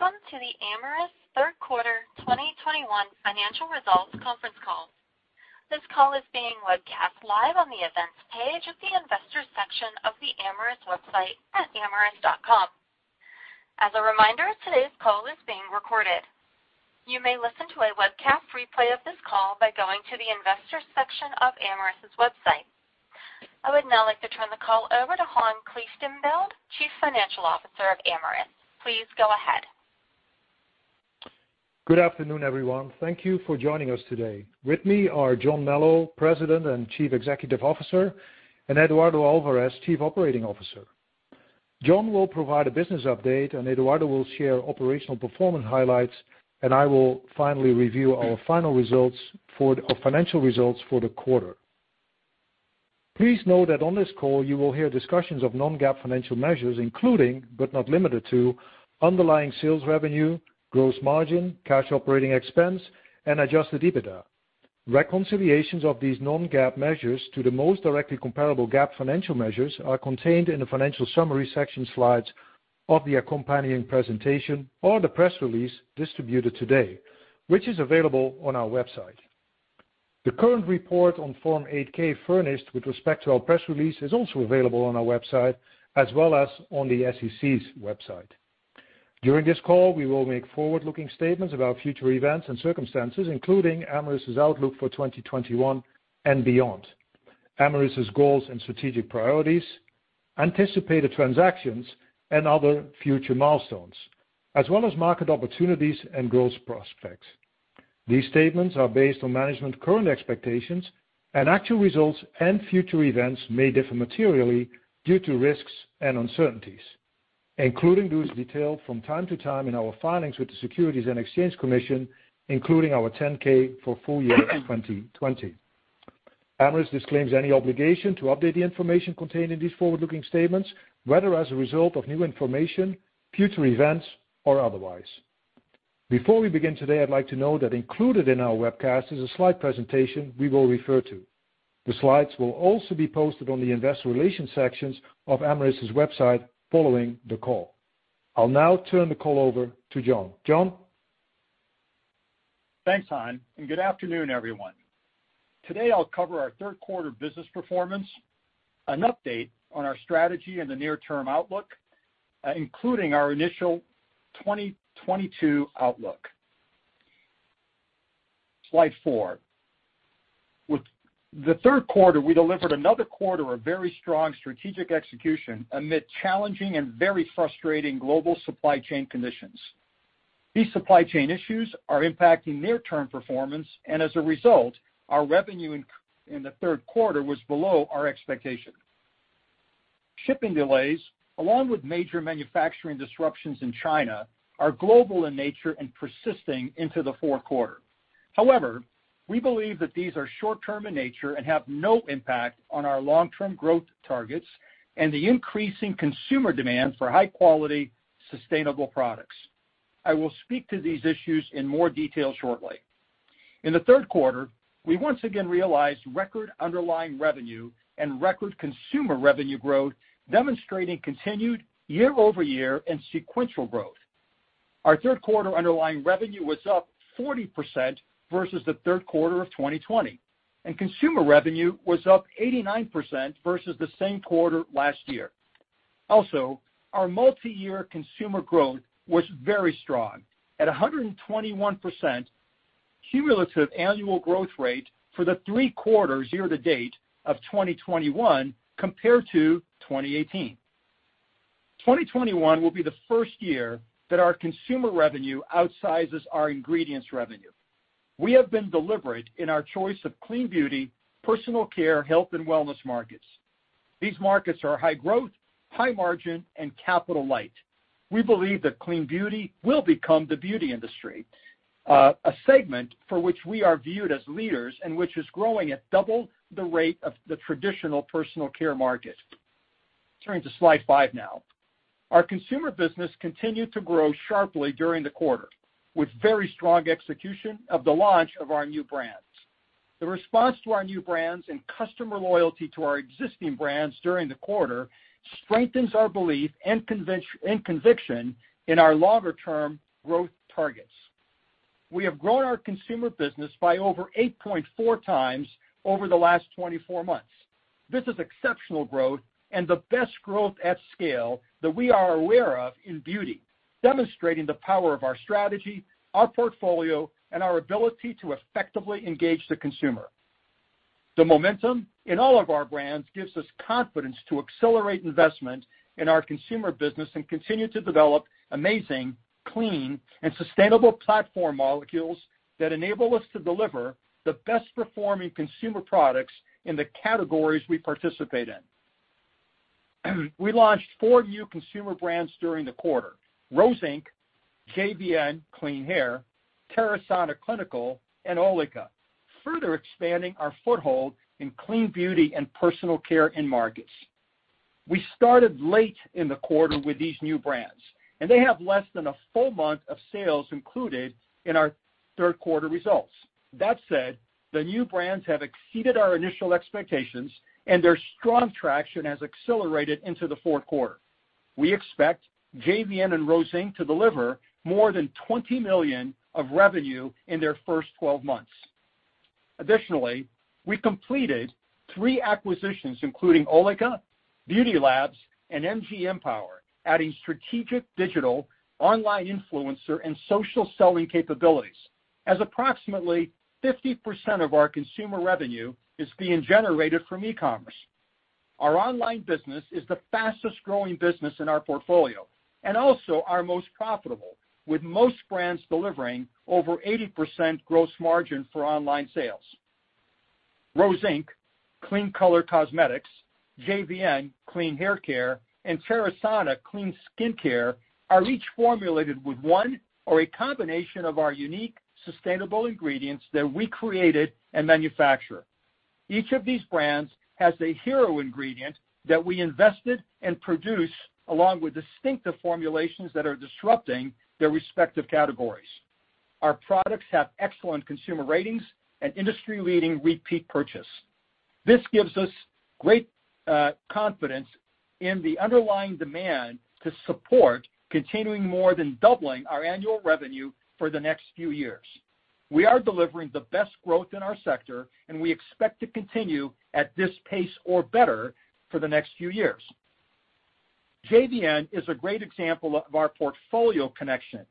Welcome to the Amyris third quarter 2021 financial results conference call. This call is being webcast live on the Events page of the Investors section of the Amyris website at amyris.com. As a reminder, today's call is being recorded. You may listen to a webcast replay of this call by going to the Investors section of Amyris' website. I would now like to turn the call over to Han Kieftenbeld, Chief Financial Officer of Amyris. Please go ahead. Good afternoon, everyone. Thank you for joining us today. With me are John Melo, President and Chief Executive Officer, and Eduardo Alvarez, Chief Operating Officer. John will provide a business update. Eduardo will share operational performance highlights. I will finally review our financial results for the quarter. Please note that on this call, you will hear discussions of non-GAAP financial measures, including, but not limited to underlying sales revenue, gross margin, cash operating expense, and adjusted EBITDA. Reconciliations of these non-GAAP measures to the most directly comparable GAAP financial measures are contained in the financial summary section slides of the accompanying presentation or the press release distributed today, which is available on our website. The current report on Form 8-K furnished with respect to our press release is also available on our website as well as on the SEC's website. During this call, we will make forward-looking statements about future events and circumstances, including Amyris' outlook for 2021 and beyond, Amyris' goals and strategic priorities, anticipated transactions, and other future milestones, as well as market opportunities and growth prospects. These statements are based on management's current expectations, and actual results and future events may differ materially due to risks and uncertainties, including those detailed from time to time in our filings with the Securities and Exchange Commission, including our 10-K for full year 2020. Amyris disclaims any obligation to update the information contained in these forward-looking statements, whether as a result of new information, future events, or otherwise. Before we begin today, I'd like to note that included in our webcast is a slide presentation we will refer to. The slides will also be posted on the investor relations sections of Amyris' website following the call. I'll now turn the call over to John. John? Thanks, Han, and good afternoon, everyone. Today, I'll cover our third quarter business performance, an update on our strategy and the near-term outlook, including our initial 2022 outlook. Slide four With the third quarter, we delivered another quarter of very strong strategic execution amid challenging and very frustrating global supply chain conditions. These supply chain issues are impacting near-term performance, and as a result, our revenue in the third quarter was below our expectation. Shipping delays, along with major manufacturing disruptions in China, are global in nature and persisting into the fourth quarter. We believe that these are short-term in nature and have no impact on our long-term growth targets and the increasing consumer demand for high-quality, sustainable products. I will speak to these issues in more detail shortly. In the third quarter, we once again realized record underlying revenue and record consumer revenue growth, demonstrating continued year-over-year and sequential growth. Our third quarter underlying revenue was up 40% versus the third quarter of 2020, and consumer revenue was up 89% versus the same quarter last year. Our multiyear consumer growth was very strong, at 121% cumulative annual growth rate for the three quarters year to date of 2021 compared to 2018. 2021 will be the first year that our consumer revenue outsizes our ingredients revenue. We have been deliberate in our choice of clean beauty, personal care, health and wellness markets. These markets are high growth, high margin, and capital light. We believe that clean beauty will become the beauty industry, a segment for which we are viewed as leaders and which is growing at double the rate of the traditional personal care market. Turning to slide five now. Our consumer business continued to grow sharply during the quarter, with very strong execution of the launch of our new brands. The response to our new brands and customer loyalty to our existing brands during the quarter strengthens our belief and conviction in our longer-term growth targets. We have grown our consumer business by over 8.4x over the last 24 months. This is exceptional growth and the best growth at scale that we are aware of in beauty, demonstrating the power of our strategy, our portfolio, and our ability to effectively engage the consumer. The momentum in all of our brands gives us confidence to accelerate investment in our consumer business and continue to develop amazing, clean, and sustainable platform molecules that enable us to deliver the best performing consumer products in the categories we participate in. We launched four new consumer brands during the quarter, Rose Inc, JVN Hair, Terasana Clinical, and OLIKA, further expanding our foothold in clean beauty and personal care end markets. We started late in the quarter with these new brands, and they have less than a full month of sales included in our third quarter results. That said, the new brands have exceeded our initial expectations, and their strong traction has accelerated into the fourth quarter. We expect JVN and Rose Inc to deliver more than $20 million of revenue in their first 12 months. Additionally, we completed three acquisitions, including OLIKA, Beauty Labs, and MG Empower, adding strategic digital, online influencer, and social selling capabilities, as approximately 50% of our consumer revenue is being generated from e-commerce. Our online business is the fastest-growing business in our portfolio and also our most profitable, with most brands delivering over 80% gross margin for online sales. Rose Inc, clean color cosmetics, JVN clean haircare, and Terasana clean skincare are each formulated with one or a combination of our unique sustainable ingredients that we created and manufacture. Each of these brands has a hero ingredient that we invested and produce along with distinctive formulations that are disrupting their respective categories. Our products have excellent consumer ratings and industry-leading repeat purchase. This gives us great confidence in the underlying demand to support continuing more than doubling our annual revenue for the next few years. We are delivering the best growth in our sector, and we expect to continue at this pace or better for the next few years. JVN is a great example of our portfolio connection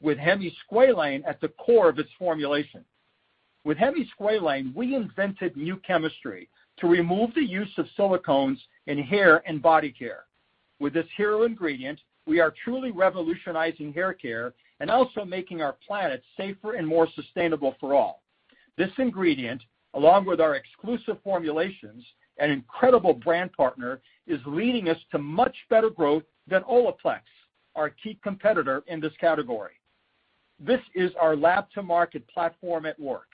with hemisqualane at the core of its formulation. With hemisqualane, we invented new chemistry to remove the use of silicones in hair and body care. With this hero ingredient, we are truly revolutionizing haircare and also making our planet safer and more sustainable for all. This ingredient, along with our exclusive formulations and incredible brand partner, is leading us to much better growth than Olaplex, our key competitor in this category. This is our lab-to-market platform at work.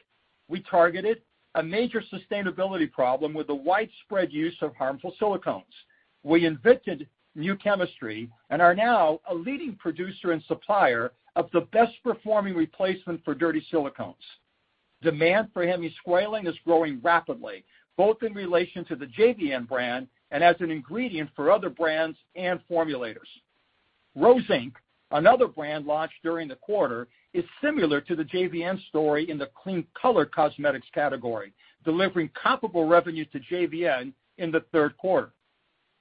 We targeted a major sustainability problem with the widespread use of harmful silicones. We invented new chemistry and are now a leading producer and supplier of the best-performing replacement for dirty silicones. Demand for hemisqualane is growing rapidly, both in relation to the JVN brand and as an ingredient for other brands and formulators. Rose Inc, another brand launched during the quarter, is similar to the JVN story in the clean color cosmetics category, delivering comparable revenue to JVN in the third quarter.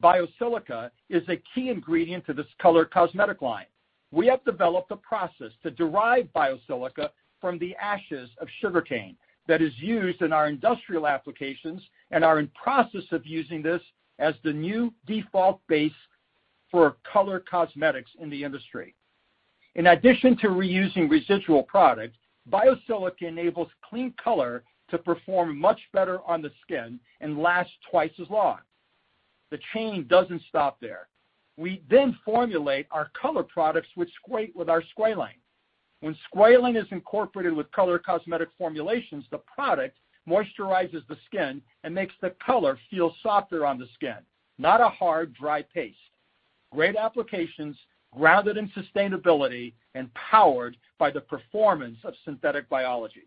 Biosilica is a key ingredient to this color cosmetic line. We have developed a process to derive Biosilica from the ashes of sugarcane that is used in our industrial applications and are in process of using this as the new default base for color cosmetics in the industry. In addition to reusing residual products, Biosilica enables clean color to perform much better on the skin and last twice as long. The chain doesn't stop there. We formulate our color products with our squalane. When squalane is incorporated with color cosmetic formulations, the product moisturizes the skin and makes the color feel softer on the skin, not a hard, dry paste. Great applications grounded in sustainability and powered by the performance of synthetic biology.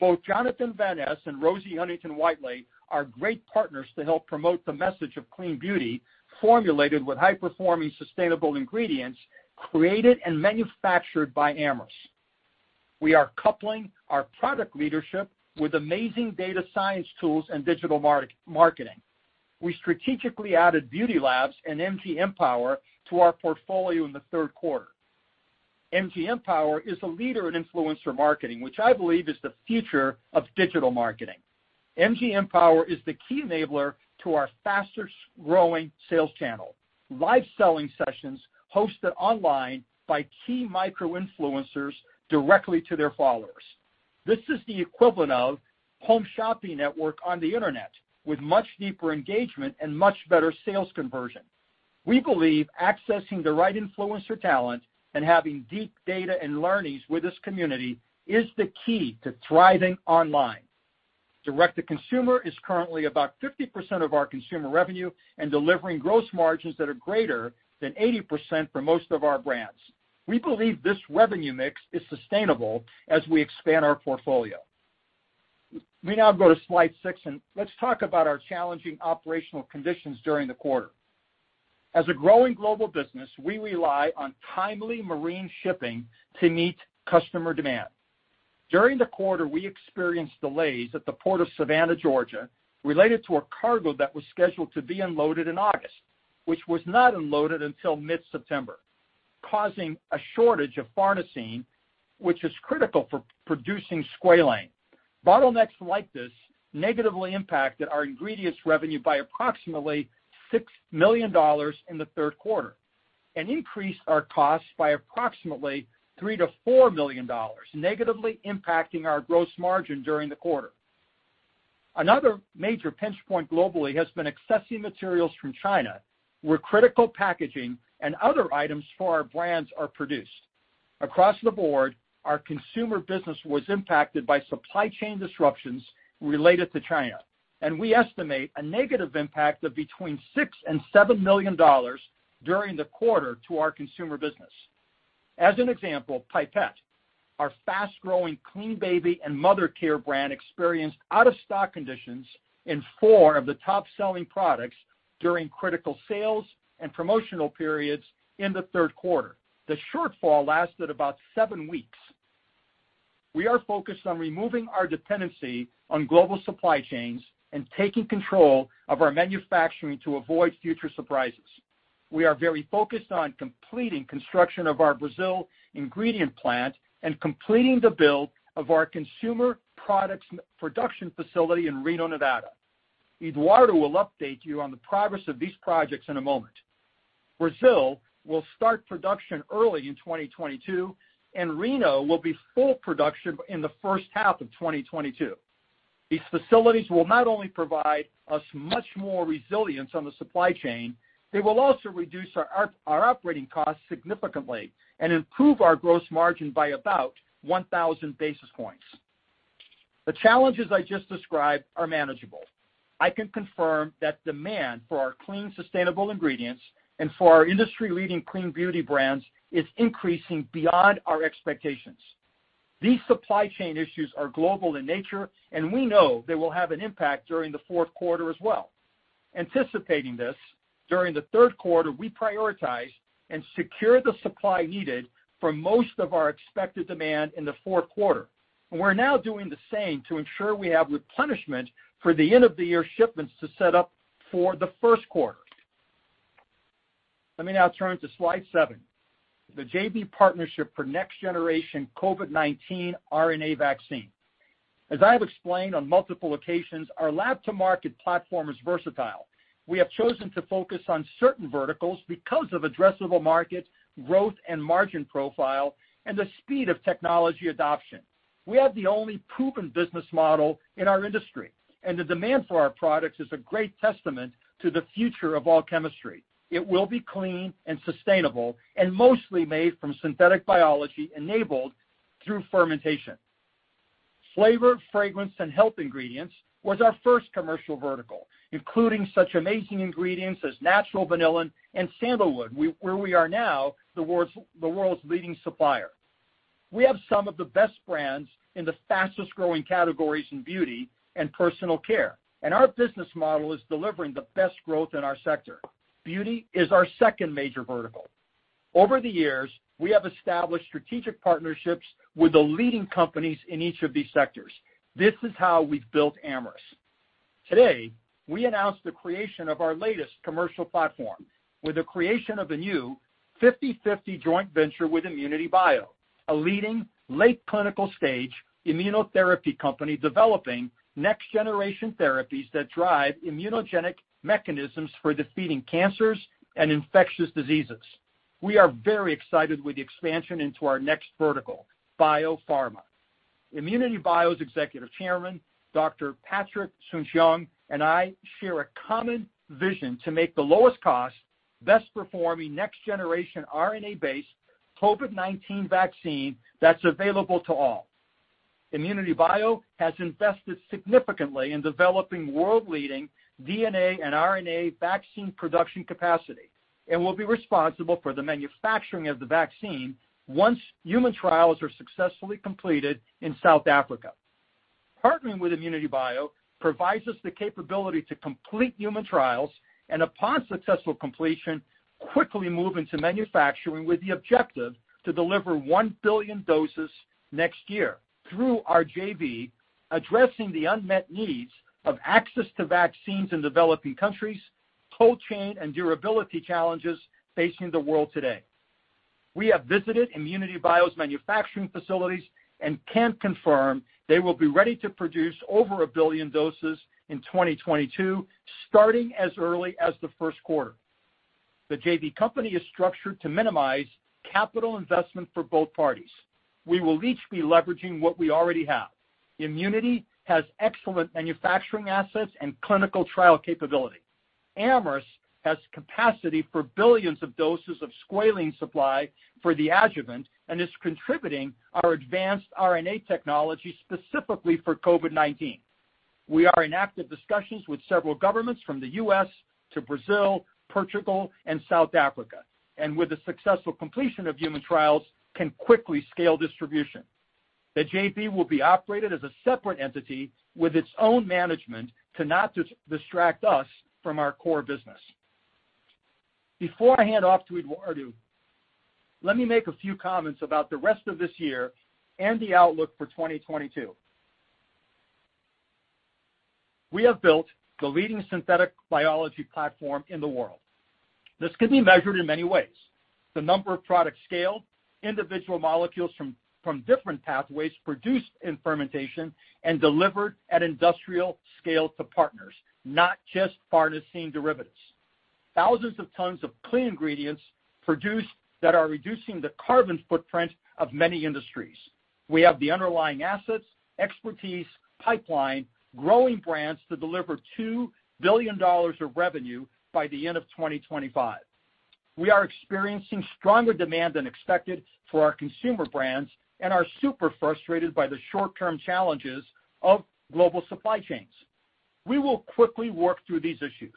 Both Jonathan Van Ness and Rosie Huntington-Whiteley are great partners to help promote the message of clean beauty formulated with high-performing, sustainable ingredients created and manufactured by Amyris. We are coupling our product leadership with amazing data science tools and digital marketing. We strategically added Beauty Labs and MG Empower to our portfolio in the third quarter. MG Empower is a leader in influencer marketing, which I believe is the future of digital marketing. MG Empower is the key enabler to our fastest-growing sales channel, live selling sessions hosted online by key micro-influencers directly to their followers. This is the equivalent of home shopping network on the Internet with much deeper engagement and much better sales conversion. We believe accessing the right influencer talent and having deep data and learnings with this community is the key to thriving online. Direct-to-consumer is currently about 50% of our consumer revenue and delivering gross margins that are greater than 80% for most of our brands. We believe this revenue mix is sustainable as we expand our portfolio. We now go to slide six, let's talk about our challenging operational conditions during the quarter. As a growing global business, we rely on timely marine shipping to meet customer demand. During the quarter, we experienced delays at the Port of Savannah, Georgia, related to a cargo that was scheduled to be unloaded in August, which was not unloaded until mid-September, causing a shortage of farnesene, which is critical for producing squalane. Bottlenecks like this negatively impacted our ingredients revenue by approximately $6 million in the third quarter and increased our costs by approximately $3 million-$4 million, negatively impacting our gross margin during the quarter. Another major pinch point globally has been accessing materials from China, where critical packaging and other items for our brands are produced. Across the board, our consumer business was impacted by supply chain disruptions related to China, and we estimate a negative impact of between $6 million-$7 million during the quarter to our consumer business. As an example, Pipette, our fast-growing clean baby and mother care brand, experienced out-of-stock conditions in four of the top-selling products during critical sales and promotional periods in the third quarter. The shortfall lasted about seven weeks. We are focused on removing our dependency on global supply chains and taking control of our manufacturing to avoid future surprises. We are very focused on completing construction of our Brazil ingredient plant and completing the build of our consumer products production facility in Reno, Nevada. Eduardo will update you on the progress of these projects in a moment. Brazil will start production early in 2022, and Reno will be full production in the first half of 2022. These facilities will not only provide us much more resilience on the supply chain, they will also reduce our operating costs significantly and improve our gross margin by about 1,000 basis points. The challenges I just described are manageable. I can confirm that demand for our clean, sustainable ingredients and for our industry-leading clean beauty brands is increasing beyond our expectations. These supply chain issues are global in nature. We know they will have an impact during the fourth quarter as well. Anticipating this, during the third quarter, we prioritized and secured the supply needed for most of our expected demand in the fourth quarter. We're now doing the same to ensure we have replenishment for the end-of-the-year shipments to set up for the first quarter. Let me now turn to slide seven, the JV partnership for next-generation COVID-19 RNA vaccine. As I have explained on multiple occasions, our lab-to-market platform is versatile. We have chosen to focus on certain verticals because of addressable market growth and margin profile and the speed of technology adoption. We have the only proven business model in our industry, and the demand for our products is a great testament to the future of all chemistry. It will be clean and sustainable and mostly made from synthetic biology enabled through fermentation. Flavor, fragrance, and health ingredients was our first commercial vertical, including such amazing ingredients as natural vanillin and sandalwood, where we are now the world's leading supplier. We have some of the best brands in the fastest-growing categories in beauty and personal care, and our business model is delivering the best growth in our sector. Beauty is our second major vertical. Over the years, we have established strategic partnerships with the leading companies in each of these sectors. This is how we've built Amyris. Today, we announced the creation of our latest commercial platform with the creation of a new 50/50 joint venture with ImmunityBio, a leading late clinical-stage immunotherapy company developing next-generation therapies that drive immunogenic mechanisms for defeating cancers and infectious diseases. We are very excited with the expansion into our next vertical, biopharma. ImmunityBio's Executive Chairman, Dr. Patrick Soon-Shiong, and I share a common vision to make the lowest cost, best performing next-generation RNA-based COVID-19 vaccine that's available to all. ImmunityBio has invested significantly in developing world-leading DNA and RNA vaccine production capacity and will be responsible for the manufacturing of the vaccine once human trials are successfully completed in South Africa. Partnering with ImmunityBio provides us the capability to complete human trials, and upon successful completion, quickly move into manufacturing with the objective to deliver 1 billion doses next year through our JV, addressing the unmet needs of access to vaccines in developing countries, cold chain and durability challenges facing the world today. We have visited ImmunityBio's manufacturing facilities and can confirm they will be ready to produce over 1 billion doses in 2022, starting as early as the first quarter. The JV company is structured to minimize capital investment for both parties. We will each be leveraging what we already have. Immunity has excellent manufacturing assets and clinical trial capability. Amyris has capacity for billions of doses of squalene supply for the adjuvant and is contributing our advanced RNA technology specifically for COVID-19. We are in active discussions with several governments from the U.S. to Brazil, Portugal, and South Africa, and with the successful completion of human trials, can quickly scale distribution. The JV will be operated as a separate entity with its own management to not distract us from our core business. Before I hand off to Eduardo, let me make a few comments about the rest of this year and the outlook for 2022. We have built the leading synthetic biology platform in the world. This can be measured in many ways. The number of products scaled, individual molecules from different pathways produced in fermentation and delivered at industrial scale to partners, not just farnesene derivatives. Thousands of tons of clean ingredients produced that are reducing the carbon footprint of many industries. We have the underlying assets, expertise, pipeline, growing brands to deliver $2 billion of revenue by the end of 2025. We are experiencing stronger demand than expected for our consumer brands and are super frustrated by the short-term challenges of global supply chains. We will quickly work through these issues.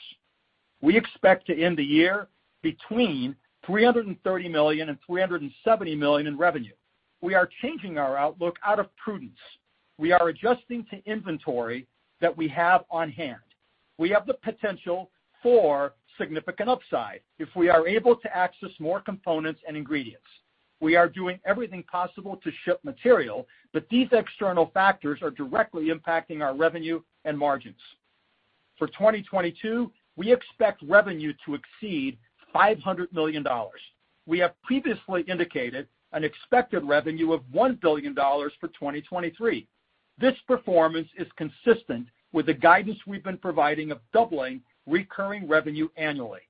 We expect to end the year between $330 million and $370 million in revenue. We are changing our outlook out of prudence. We are adjusting to inventory that we have on hand. We have the potential for significant upside if we are able to access more components and ingredients. These external factors are directly impacting our revenue and margins. For 2022, we expect revenue to exceed $500 million. We have previously indicated an expected revenue of $1 billion for 2023. This performance is consistent with the guidance we've been providing of doubling recurring revenue annually.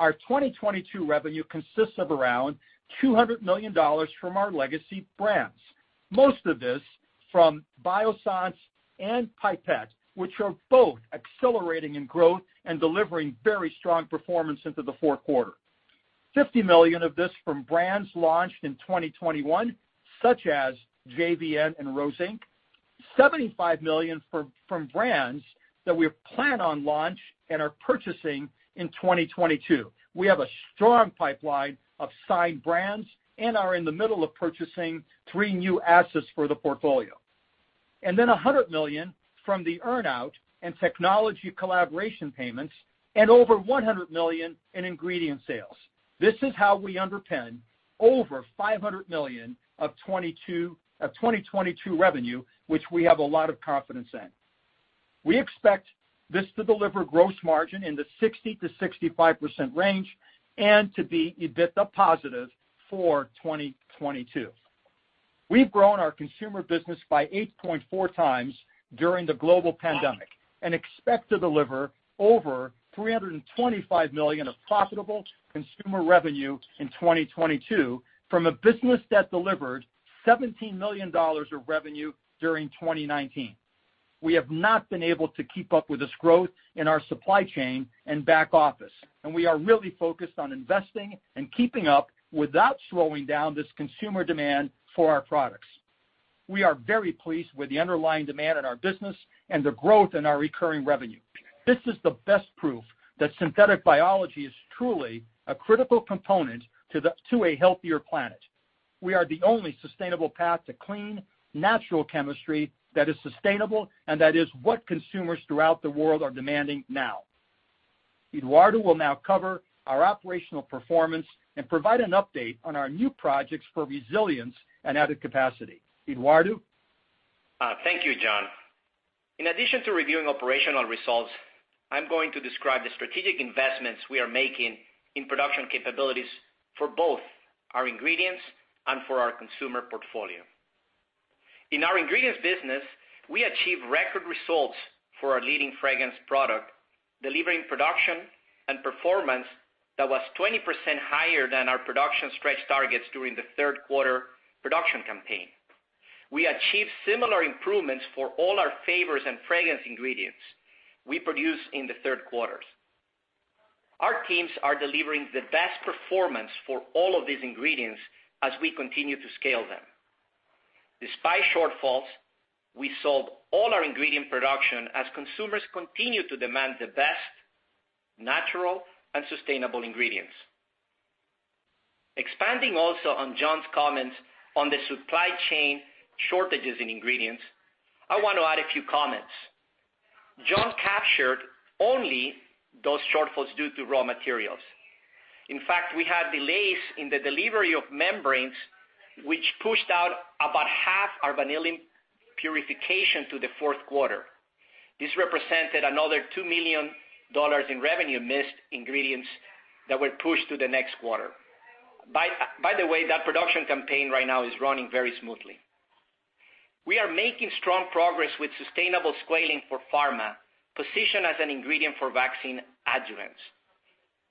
Our 2022 revenue consists of around $200 million from our legacy brands. Most of this from Biossance and Pipette, which are both accelerating in growth and delivering very strong performance into the fourth quarter. $50 million of this from brands launched in 2021, such as JVN and Rose Inc. $75 million from brands that we plan on launch and are purchasing in 2022. We have a strong pipeline of signed brands and are in the middle of purchasing three new assets for the portfolio. $100 million from the earn-out and technology collaboration payments and over $100 million in ingredient sales. This is how we underpin over $500 million of 2022 revenue, which we have a lot of confidence in. We expect this to deliver gross margin in the 60%-65% range and to be EBITDA positive for 2022. We've grown our consumer business by 8.4x during the global pandemic and expect to deliver over $325 million of profitable consumer revenue in 2022 from a business that delivered $17 million of revenue during 2019. We have not been able to keep up with this growth in our supply chain and back office, and we are really focused on investing and keeping up without slowing down this consumer demand for our products. We are very pleased with the underlying demand in our business and the growth in our recurring revenue. This is the best proof that synthetic biology is truly a critical component to a healthier planet. We are the only sustainable path to clean, natural chemistry that is sustainable and that is what consumers throughout the world are demanding now. Eduardo will now cover our operational performance and provide an update on our new projects for resilience and added capacity. Eduardo? Thank you, John. In addition to reviewing operational results, I'm going to describe the strategic investments we are making in production capabilities for both our ingredients and for our consumer portfolio. In our ingredients business, we achieved record results for our leading fragrance product, delivering production and performance that was 20% higher than our production stretch targets during the third quarter production campaign. We achieved similar improvements for all our F&F ingredients we produced in the third quarter. Our teams are delivering the best performance for all of these ingredients as we continue to scale them. Despite shortfalls, we sold all our ingredient production as consumers continue to demand the best natural and sustainable ingredients. Expanding also on John's comments on the supply chain shortages in ingredients, I want to add a few comments. John captured only those shortfalls due to raw materials. In fact, we had delays in the delivery of membranes which pushed out about half our vanillin purification to the fourth quarter. This represented another $2 million in revenue missed ingredients that were pushed to the next quarter. By the way, that production campaign right now is running very smoothly. We are making strong progress with sustainable squalene for pharma, positioned as an ingredient for vaccine adjuvants.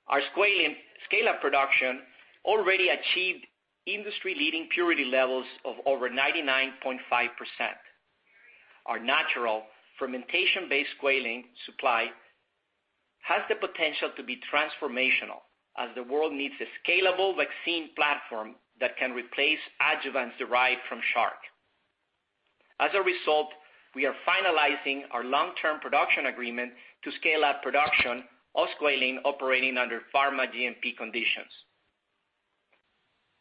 Our squalene scale-up production already achieved industry-leading purity levels of over 99.5%. Our natural fermentation-based squalene supply has the potential to be transformational as the world needs a scalable vaccine platform that can replace adjuvants derived from shark. We are finalizing our long-term production agreement to scale up production of squalene operating under pharma GMP conditions.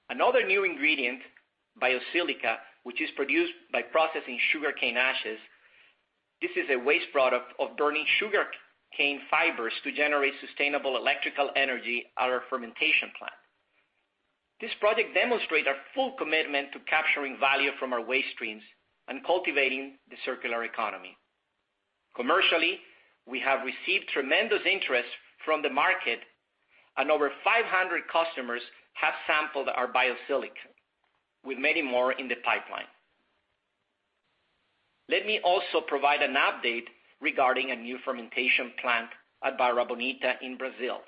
Another new ingredient, Biosilica, which is produced by processing sugarcane ashes. This is a waste product of burning sugarcane fibers to generate sustainable electrical energy at our fermentation plant. This project demonstrate our full commitment to capturing value from our waste streams and cultivating the circular economy. Commercially, we have received tremendous interest from the market and over 500 customers have sampled our Biosilica, with many more in the pipeline. Let me also provide an update regarding a new fermentation plant at Barra Bonita in Brazil.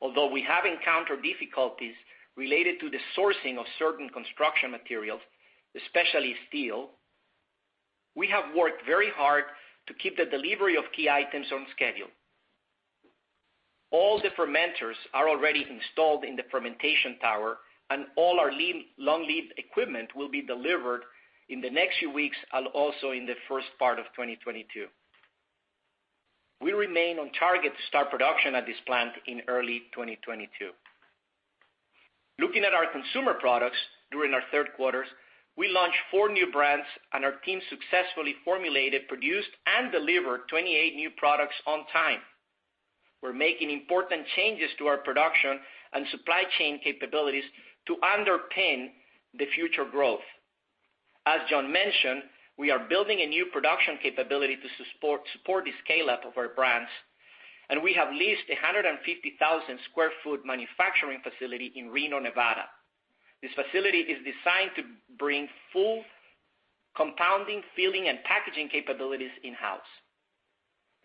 We have encountered difficulties related to the sourcing of certain construction materials, especially steel, we have worked very hard to keep the delivery of key items on schedule. All the fermenters are already installed in the fermentation tower, and all our long lead equipment will be delivered in the next few weeks and also in the first part of 2022. We remain on target to start production at this plant in early 2022. Looking at our consumer products during our third quarters, we launched four new brands and our team successfully formulated, produced, and delivered 28 new products on time. We're making important changes to our production and supply chain capabilities to underpin the future growth. As John mentioned, we are building a new production capability to support the scale-up of our brands, and we have leased a 150,000 square foot manufacturing facility in Reno, Nevada. This facility is designed to bring full compounding, filling, and packaging capabilities in-house.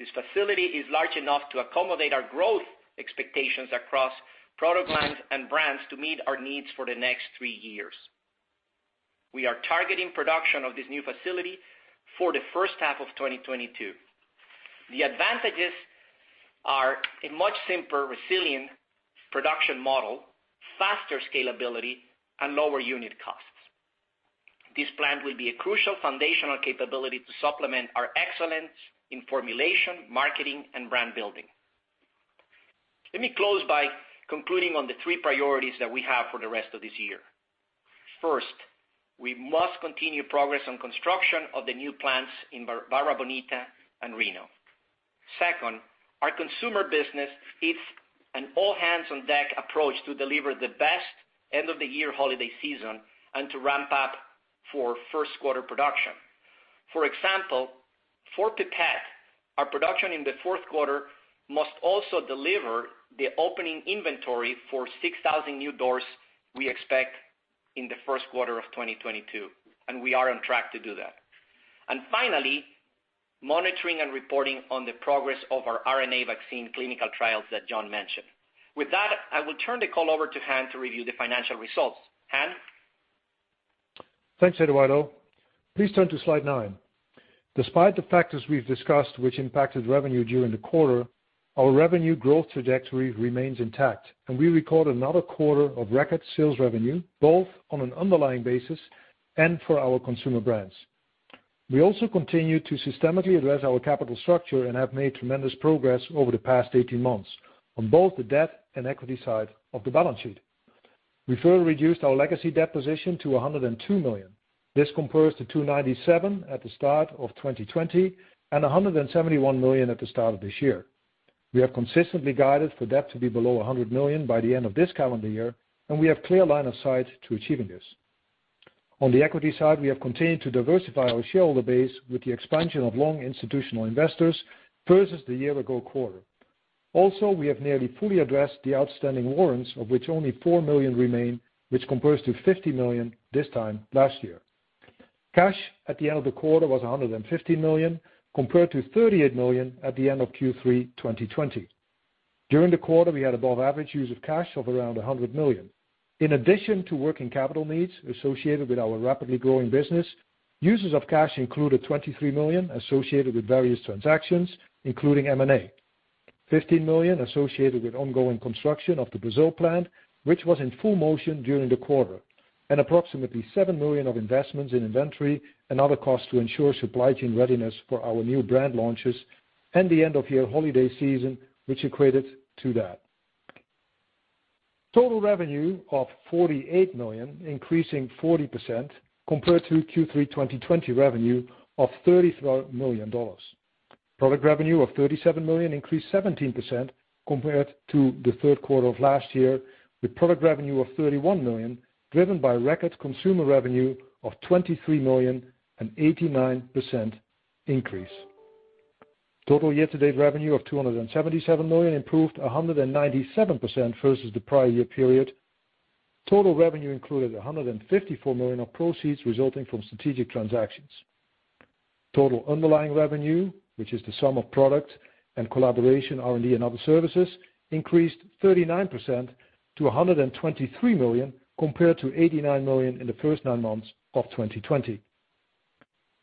This facility is large enough to accommodate our growth expectations across product lines and brands to meet our needs for the next three years. We are targeting production of this new facility for the first half of 2022. The advantages are a much simpler, resilient production model, faster scalability, and lower unit costs. This plant will be a crucial foundational capability to supplement our excellence in formulation, marketing, and brand building. Let me close by concluding on the three priorities that we have for the rest of this year. First, we must continue progress on construction of the new plants in Barra Bonita and León. Second, our consumer business needs an all hands on deck approach to deliver the best end of the year holiday season and to ramp up for first quarter production. For example, for Pipette, our production in the fourth quarter must also deliver the opening inventory for 6,000 new doors we expect in the first quarter of 2022, and we are on track to do that. Finally, monitoring and reporting on the progress of our RNA vaccine clinical trials that John Melo mentioned. With that, I will turn the call over to Han to review the financial results. Han? Thanks, Eduardo. Please turn to slide nine. Despite the factors we've discussed which impacted revenue during the quarter, our revenue growth trajectory remains intact, and we record another quarter of record sales revenue, both on an underlying basis and for our consumer brands. We also continue to systematically address our capital structure and have made tremendous progress over the past 18 months on both the debt and equity side of the balance sheet. We further reduced our legacy debt position to $102 million. This compares to $297 million at the start of 2020 and $171 million at the start of this year. We have consistently guided for debt to be below $100 million by the end of this calendar year, and we have clear line of sight to achieving this. On the equity side, we have continued to diversify our shareholder base with the expansion of long institutional investors versus the year ago quarter. We have nearly fully addressed the outstanding warrants of which only $4 million remain, which compares to $50 million this time last year. Cash at the end of the quarter was $150 million, compared to $38 million at the end of Q3 2020. During the quarter, we had above average use of cash of around $100 million. In addition to working capital needs associated with our rapidly growing business, uses of cash included $23 million associated with various transactions, including M&A. $15 million associated with ongoing construction of the Brazil plant, which was in full motion during the quarter. Approximately $7 million of investments in inventory and other costs to ensure supply chain readiness for our new brand launches and the end of year holiday season, which equated to that. Total revenue of $48 million, increasing 40% compared to Q3 2020 revenue of $33 million. Product revenue of $37 million increased 17% compared to the third quarter of last year, with product revenue of $31 million, driven by record consumer revenue of $23 million, an 89% increase. Total year-to-date revenue of $277 million improved 197% versus the prior year period. Total revenue included $154 million of proceeds resulting from strategic transactions. Total underlying revenue, which is the sum of product and collaboration, R&D, and other services, increased 39% to $123 million, compared to $89 million in the first nine months of 2020.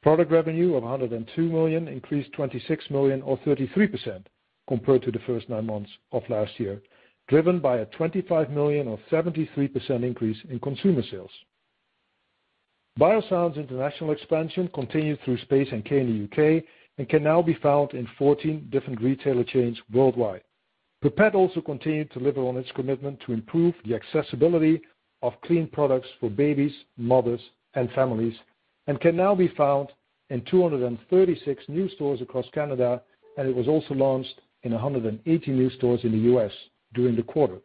Product revenue of $102 million increased $26 million or 33% compared to the first nine months of last year, driven by a $25 million or 73% increase in consumer sales. Biossance's international expansion continued through Space NK in the U.K. and can now be found in 14 different retailer chains worldwide. Pipette also continued to deliver on its commitment to improve the accessibility of clean products for babies, mothers, and families, and can now be found in 236 new stores across Canada, and it was also launched in 180 new stores in the U.S. during the quarter.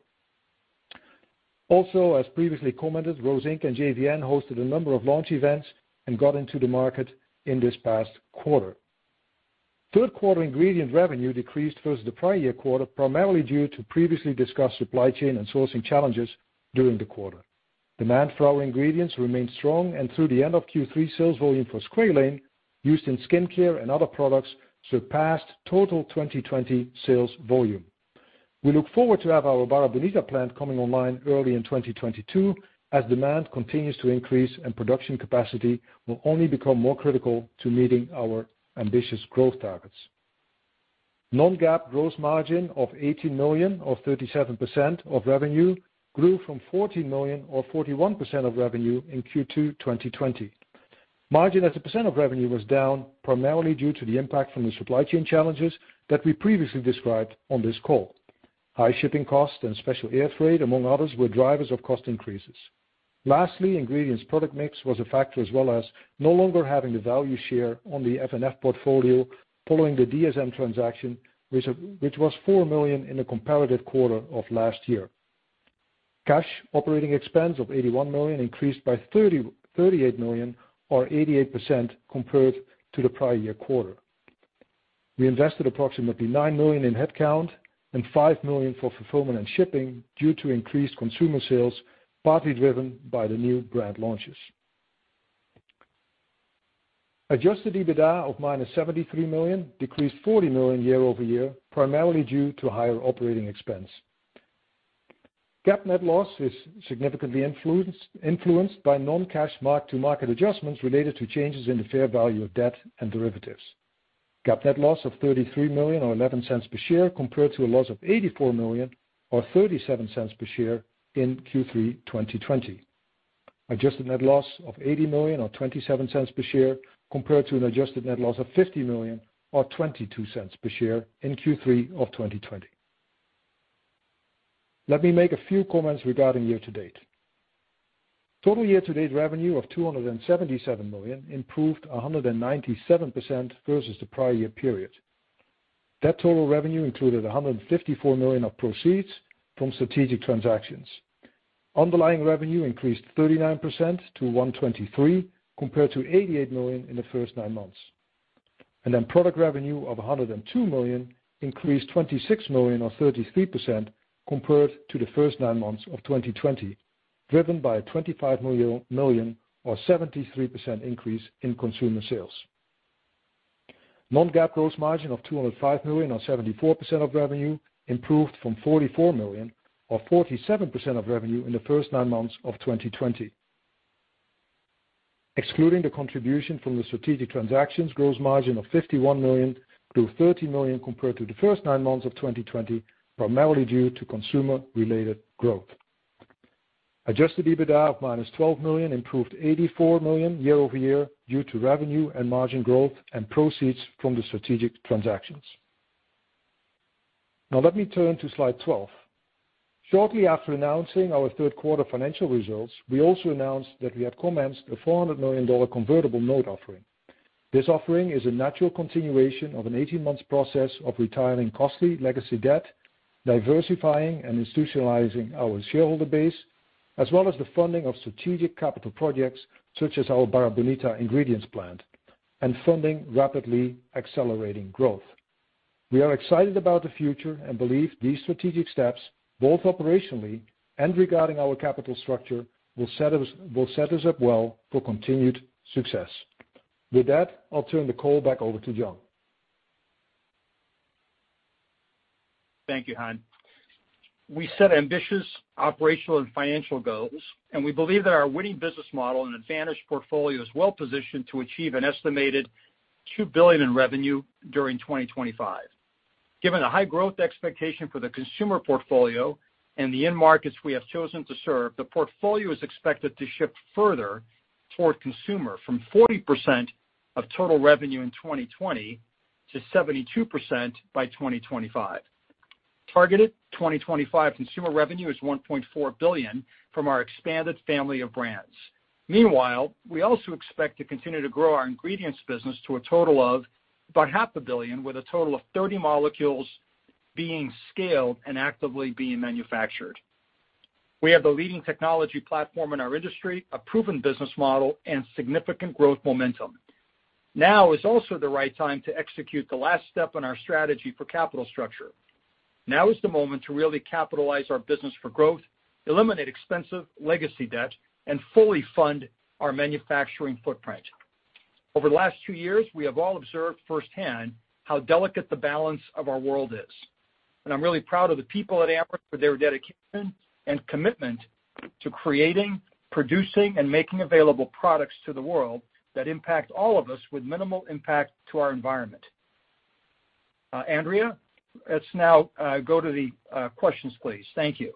Also, as previously commented, Rose Inc and JVN hosted a number of launch events and got into the market in this past quarter. third quarter ingredient revenue decreased versus the prior year quarter, primarily due to previously discussed supply chain and sourcing challenges during the quarter. Demand for our ingredients remained strong, through the end of Q3, sales volume for squalane, used in skincare and other products, surpassed total 2020 sales volume. We look forward to have our Barra Bonita plant coming online early in 2022 as demand continues to increase and production capacity will only become more critical to meeting our ambitious growth targets. Non-GAAP gross margin of $80 million or 37% of revenue grew from $40 million or 41% of revenue in Q2 2020. Margin as a % of revenue was down primarily due to the impact from the supply chain challenges that we previously described on this call. High shipping costs and special air freight, among others, were drivers of cost increases. Lastly, ingredients product mix was a factor, as well as no longer having the value share on the F&F portfolio following the DSM transaction, which was $4 million in the comparative quarter of last year. Cash operating expense of $81 million increased by $38 million or 88% compared to the prior year quarter. We invested approximately $9 million in headcount and $5 million for fulfillment and shipping due to increased consumer sales, partly driven by the new brand launches. Adjusted EBITDA of -$73 million decreased $40 million year-over-year, primarily due to higher operating expense. GAAP net loss is significantly influenced by non-cash mark-to-market adjustments related to changes in the fair value of debt and derivatives. GAAP net loss of $33 million or $0.11 per share compared to a loss of $84 million or $0.37 per share in Q3 2020. Adjusted net loss of $80 million or $0.27 per share compared to an adjusted net loss of $50 million or $0.22 per share in Q3 2020. Let me make a few comments regarding year-to-date. Total year-to-date revenue of $277 million improved 197% versus the prior year period. That total revenue included $154 million of proceeds from strategic transactions. Underlying revenue increased 39% to $123 million, compared to $88 million in the first nine months. Product revenue of $102 million increased $26 million or 33% compared to the first nine months of 2020, driven by a $25 million or 73% increase in consumer sales. Non-GAAP gross margin of $205 million or 74% of revenue improved from $44 million or 47% of revenue in the first nine months of 2020. Excluding the contribution from the strategic transactions, gross margin of $51 million grew $30 million compared to the first nine months of 2020, primarily due to consumer-related growth. Adjusted EBITDA of -$12 million improved $84 million year-over-year due to revenue and margin growth and proceeds from the strategic transactions. Let me turn to slide 12. Shortly after announcing our third quarter financial results, we also announced that we had commenced a $400 million convertible note offering. This offering is a natural continuation of an 18 months process of retiring costly legacy debt, diversifying and institutionalizing our shareholder base, as well as the funding of strategic capital projects such as our Barra Bonita ingredients plant and funding rapidly accelerating growth. We are excited about the future and believe these strategic steps, both operationally and regarding our capital structure, will set us up well for continued success. With that, I'll turn the call back over to Jon. Thank you, Han Kieftenbeld. We set ambitious operational and financial goals, and we believe that our winning business model and advantage portfolio is well positioned to achieve an estimated $2 billion in revenue during 2025. Given the high growth expectation for the consumer portfolio and the end markets we have chosen to serve, the portfolio is expected to shift further toward consumer from 40% of total revenue in 2020 to 72% by 2025. Targeted 2025 consumer revenue is $1.4 billion from our expanded family of brands. Meanwhile, we also expect to continue to grow our ingredients business to a total of about half a billion, with a total of 30 molecules being scaled and actively being manufactured. We have the leading technology platform in our industry, a proven business model, and significant growth momentum. Now is also the right time to execute the last step in our strategy for capital structure. Now is the moment to really capitalize our business for growth, eliminate expensive legacy debt, and fully fund our manufacturing footprint. Over the last two years, we have all observed firsthand how delicate the balance of our world is, and I'm really proud of the people at Amyris for their dedication and commitment to creating, producing, and making available products to the world that impact all of us with minimal impact to our environment. Andrea, let's now go to the questions, please. Thank you.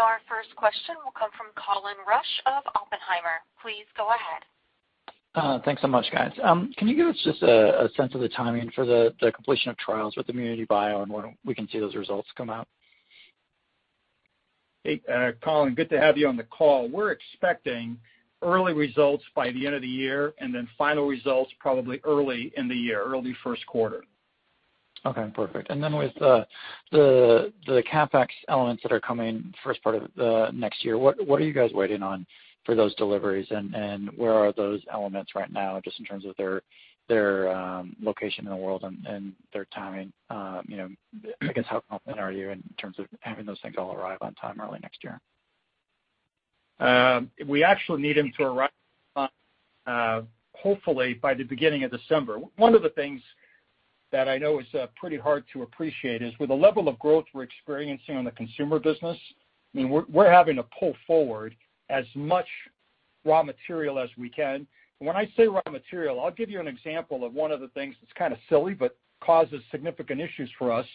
Our first question will come from Colin Rusch of Oppenheimer. Please go ahead. Thanks so much, guys. Can you give us just a sense of the timing for the completion of trials with ImmunityBio, and when we can see those results come out? Hey, Colin, good to have you on the call. We're expecting early results by the end of the year, and then final results probably early in the year, early first quarter. Okay, perfect. With the CapEx elements that are coming first part of next year, what are you guys waiting on for those deliveries and where are those elements right now, just in terms of their location in the world and their timing? You know, I guess how confident are you in terms of having those things all arrive on time early next year? We actually need them to arrive, hopefully by the beginning of December. One of the things that I know is pretty hard to appreciate is with the level of growth we're experiencing on the consumer business, I mean, we're having to pull forward as much raw material as we can. When I say raw material, I'll give you an example of one of the things that's kind of silly but causes significant issues for us,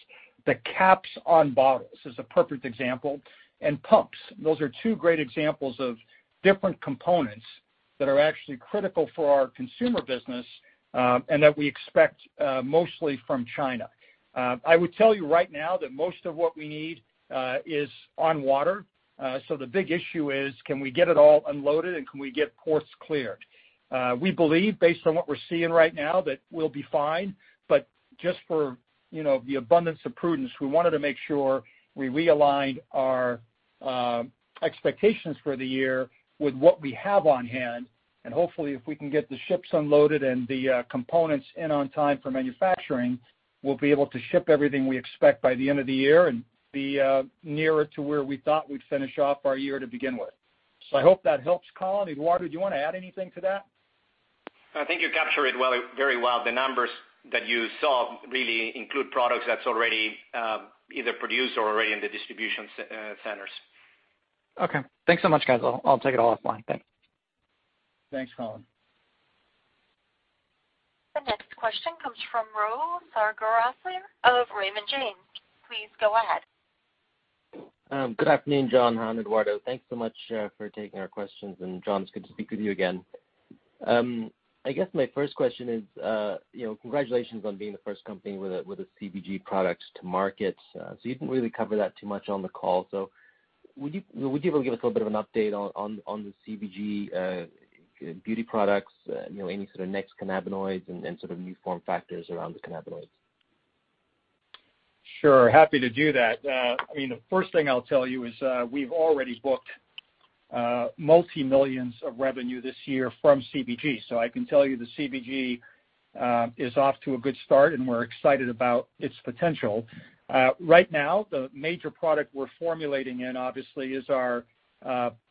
the caps on bottles is a perfect example, and pumps. Those are two great examples of different components that are actually critical for our consumer business, and that we expect mostly from China. I would tell you right now that most of what we need is on water. The big issue is, can we get it all unloaded, and can we get ports cleared? We believe based on what we're seeing right now, that we'll be fine, but just for, you know, the abundance of prudence, we wanted to make sure we realigned our expectations for the year with what we have on hand. Hopefully, if we can get the ships unloaded and the components in on time for manufacturing, we'll be able to ship everything we expect by the end of the year and be nearer to where we thought we'd finish off our year to begin with. I hope that helps, Colin. Eduardo, do you want to add anything to that? I think you captured it well, very well. The numbers that you saw really include products that's already, either produced or already in the distribution centers. Okay. Thanks so much, guys. I'll take it all offline. Thanks. Thanks, Colin. The next question comes from Rahul Sarugaser of Raymond James. Please go ahead. Good afternoon, John and Eduardo. Thanks so much for taking our questions. John, it's good to speak with you again. I guess my first question is, you know, congratulations on being the first company with a CBG product to market. You didn't really cover that too much on the call. Would you be able to give us a little bit of an update on the CBG beauty products, you know, any sort of next cannabinoids and sort of new form factors around the cannabinoids? Sure. Happy to do that. I mean, the first thing I'll tell you is, we've already booked multi-millions of revenue this year from CBG. I can tell you the CBG is off to a good start, and we're excited about its potential. Right now, the major product we're formulating in obviously is our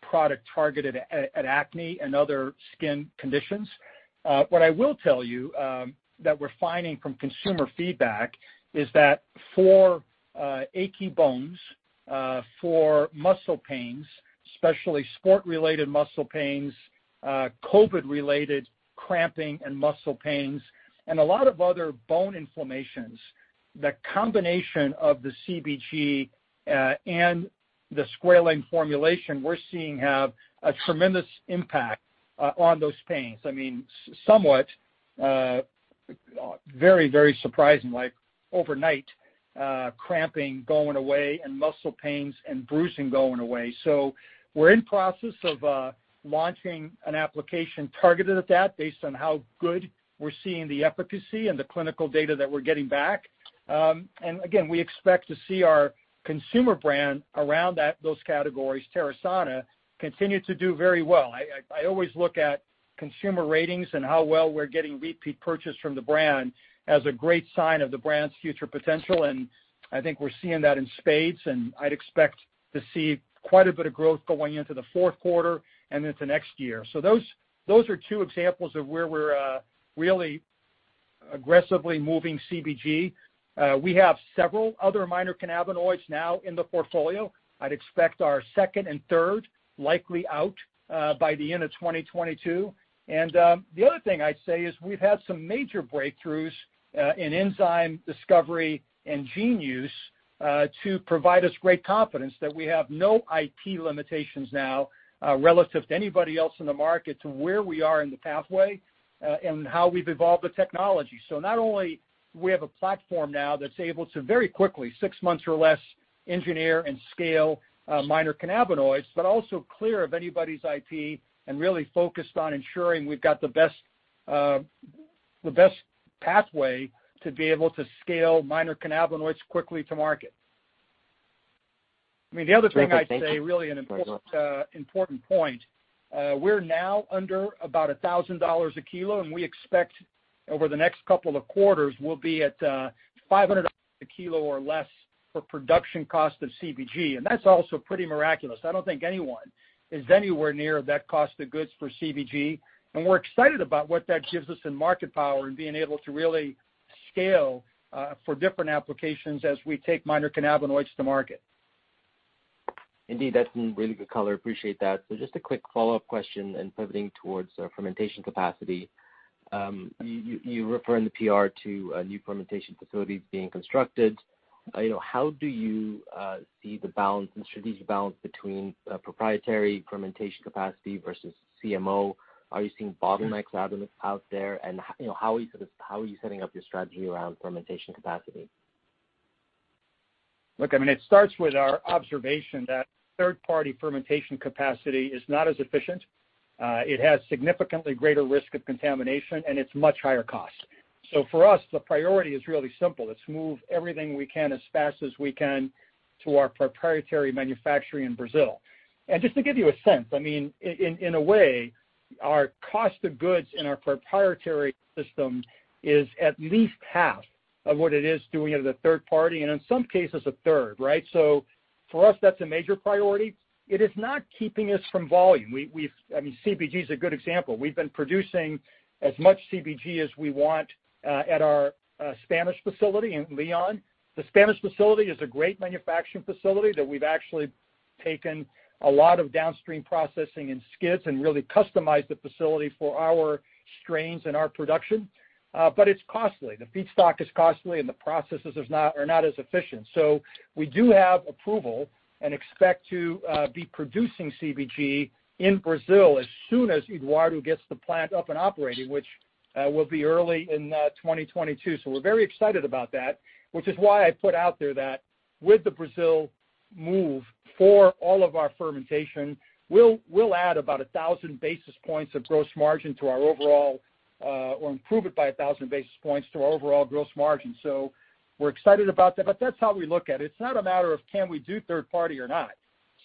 product targeted at acne and other skin conditions. What I will tell you, that we're finding from consumer feedback is that for achy bones, for muscle pains, especially sport related muscle pains, COVID related cramping and muscle pains, and a lot of other bone inflammations, the combination of the CBG and the squalane formulation, we're seeing have a tremendous impact on those pains. I mean, somewhat, very, very surprising, like overnight, cramping going away and muscle pains and bruising going away. We're in process of launching an application targeted at that based on how good we're seeing the efficacy and the clinical data that we're getting back. Again, we expect to see our consumer brand around that, those categories, Terasana, continue to do very well. I always look at consumer ratings and how well we're getting repeat purchase from the brand as a great sign of the brand's future potential, and I think we're seeing that in spades, and I'd expect to see quite a bit of growth going into the fourth quarter and into next year. Those are two examples of where we're really aggressively moving CBG. We have several other minor cannabinoids now in the portfolio. I'd expect our second and third likely out by the end of 2022. The other thing I'd say is we've had some major breakthroughs in enzyme discovery and gene use to provide us great confidence that we have no IP limitations now relative to anybody else in the market to where we are in the pathway and how we've evolved the technology. Not only do we have a platform now that's able to very quickly, six months or less, engineer and scale minor cannabinoids, but also clear of anybody's IP and really focused on ensuring we've got the best, the best pathway to be able to scale minor cannabinoids quickly to market. I mean, the other thing I'd say. Great. Well, thank you. Important point, we're now under about $1,000 a kilo, and we expect over the next couple of quarters, we'll be at $500 a kilo or less for production cost of CBG, and that's also pretty miraculous. I don't think anyone is anywhere near that cost of goods for CBG. We're excited about what that gives us in market power and being able to really scale for different applications as we take minor cannabinoids to market. Indeed, that's been really good color. Appreciate that. Just a quick follow-up question and pivoting towards fermentation capacity. You refer in the PR to new fermentation facilities being constructed. You know, how do you see the balance and strategic balance between proprietary fermentation capacity versus CMO? Are you seeing bottlenecks out there? You know, how are you setting up your strategy around fermentation capacity? Look, I mean, it starts with our observation that third-party fermentation capacity is not as efficient. It has significantly greater risk of contamination, and it's much higher cost. For us, the priority is really simple. It's move everything we can as fast as we can to our proprietary manufacturing in Brazil. Just to give you a sense, I mean, in a way, our cost of goods in our proprietary system is at least half of what it is doing it as a third party, and in some cases, a third, right? For us, that's a major priority. It is not keeping us from volume. We've, I mean, CBG is a good example. We've been producing as much CBG as we want at our Spanish facility in León. The Spanish facility is a great manufacturing facility that we've actually taken a lot of downstream processing and skids and really customized the facility for our strains and our production. It's costly. The feedstock is costly, and the processes are not as efficient. We do have approval and expect to be producing CBG in Brazil as soon as Eduardo gets the plant up and operating, which will be early in 2022. We're very excited about that, which is why I put out there that with the Brazil move for all of our fermentation, we'll add about 1,000 basis points of gross margin to our overall, or improve it by 1,000 basis points to our overall gross margin. We're excited about that, but that's how we look at it. It's not a matter of can we do third party or not.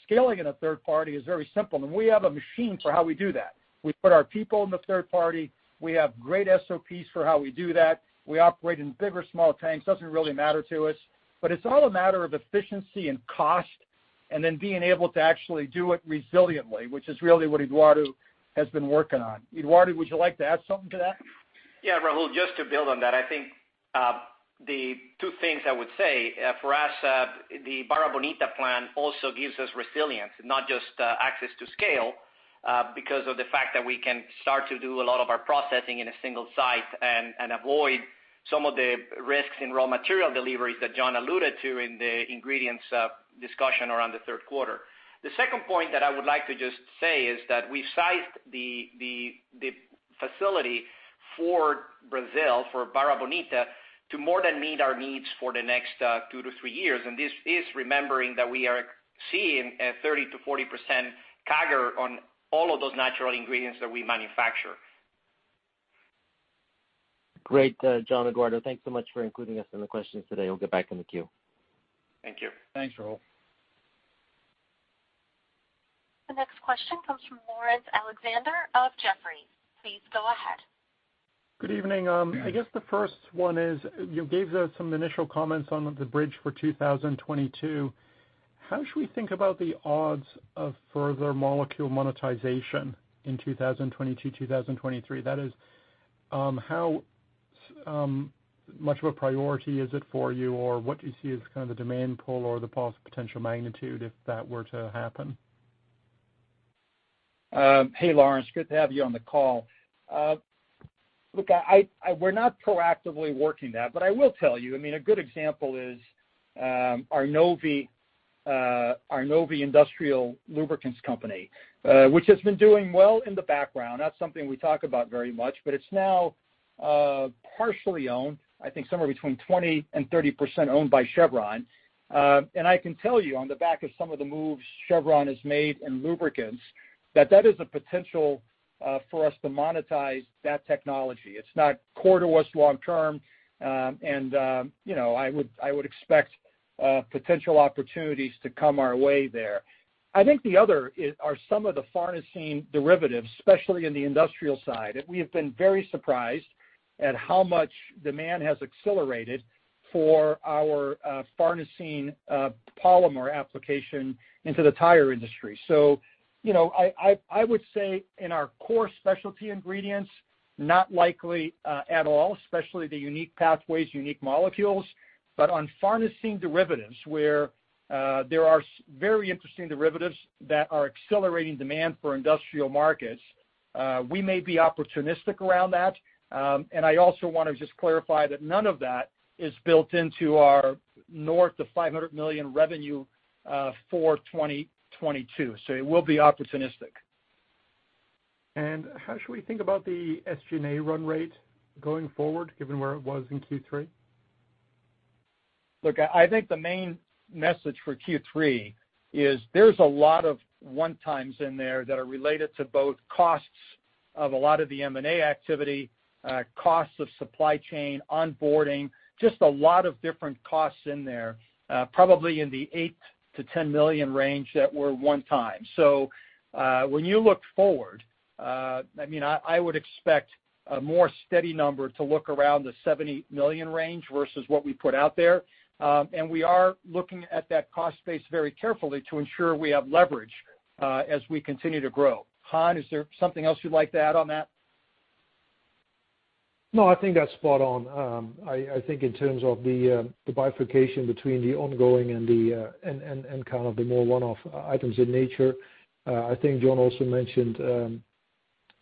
Scaling in a third party is very simple, and we have a machine for how we do that. We put our people in the third party. We have great SOPs for how we do that. We operate in big or small tanks, doesn't really matter to us. It's all a matter of efficiency and cost and then being able to actually do it resiliently, which is really what Eduardo has been working on. Eduardo, would you like to add something to that? Yeah, Rahul, just to build on that, I think, the two things I would say, for us, the Barra Bonita plant also gives us resilience, not just access to scale, because of the fact that we can start to do a lot of our processing in a single site and, avoid some of the risks in raw material deliveries that John alluded to in the ingredients, discussion around the third quarter. The second point that I would like to just say is that we've sized the facility for Brazil, for Barra Bonita, to more than meet our needs for the next two to three years. This is remembering that we are seeing a 30%-40% CAGR on all of those natural ingredients that we manufacture. Great, John, Eduardo. Thanks so much for including us in the questions today. We'll get back in the queue. Thank you. Thanks, Rahul. The next question comes from Laurence Alexander of Jefferies. Please go ahead. Good evening. I guess the first one is, you gave us some initial comments on the bridge for 2022. How should we think about the odds of further molecule monetization in 2022, 2023? That is, how much of a priority is it for you, or what do you see as kind of the demand pull or the possible potential magnitude if that were to happen? Hey, Laurence, good to have you on the call. Look, we're not proactively working that, but I will tell you, I mean, a good example is, our Novvi, our Novvi Industrial Lubricants company, which has been doing well in the background. Not something we talk about very much, but it's now partially owned, I think somewhere between 20% and 30% owned by Chevron. I can tell you on the back of some of the moves Chevron has made in lubricants, that is a potential for us to monetize that technology. It's not core to us long term, you know, I would expect potential opportunities to come our way there. I think the other is, are some of the farnesene derivatives, especially in the industrial side. We have been very surprised at how much demand has accelerated for our farnesene polymer application into the tire industry. You know, I would say in our core specialty ingredients, not likely at all, especially the unique pathways, unique molecules. On farnesene derivatives, where there are very interesting derivatives that are accelerating demand for industrial markets, we may be opportunistic around that. I also wanna just clarify that none of that is built into our north of $500 million revenue for 2022. It will be opportunistic. How should we think about the SG&A run rate going forward, given where it was in Q3? Look, I think the main message for Q3 is there's a lot of one times in there that are related to both costs of a lot of the M&A activity, costs of supply chain, onboarding, just a lot of different costs in there, probably in the $8 million-$10 million range that were one time. When you look forward, I mean, I would expect a more steady number to look around the $70 million range versus what we put out there. We are looking at that cost base very carefully to ensure we have leverage as we continue to grow. Han, is there something else you'd like to add on that? No, I think that's spot on. I think in terms of the bifurcation between the ongoing and the and kind of the more one-off items in nature, I think John also mentioned,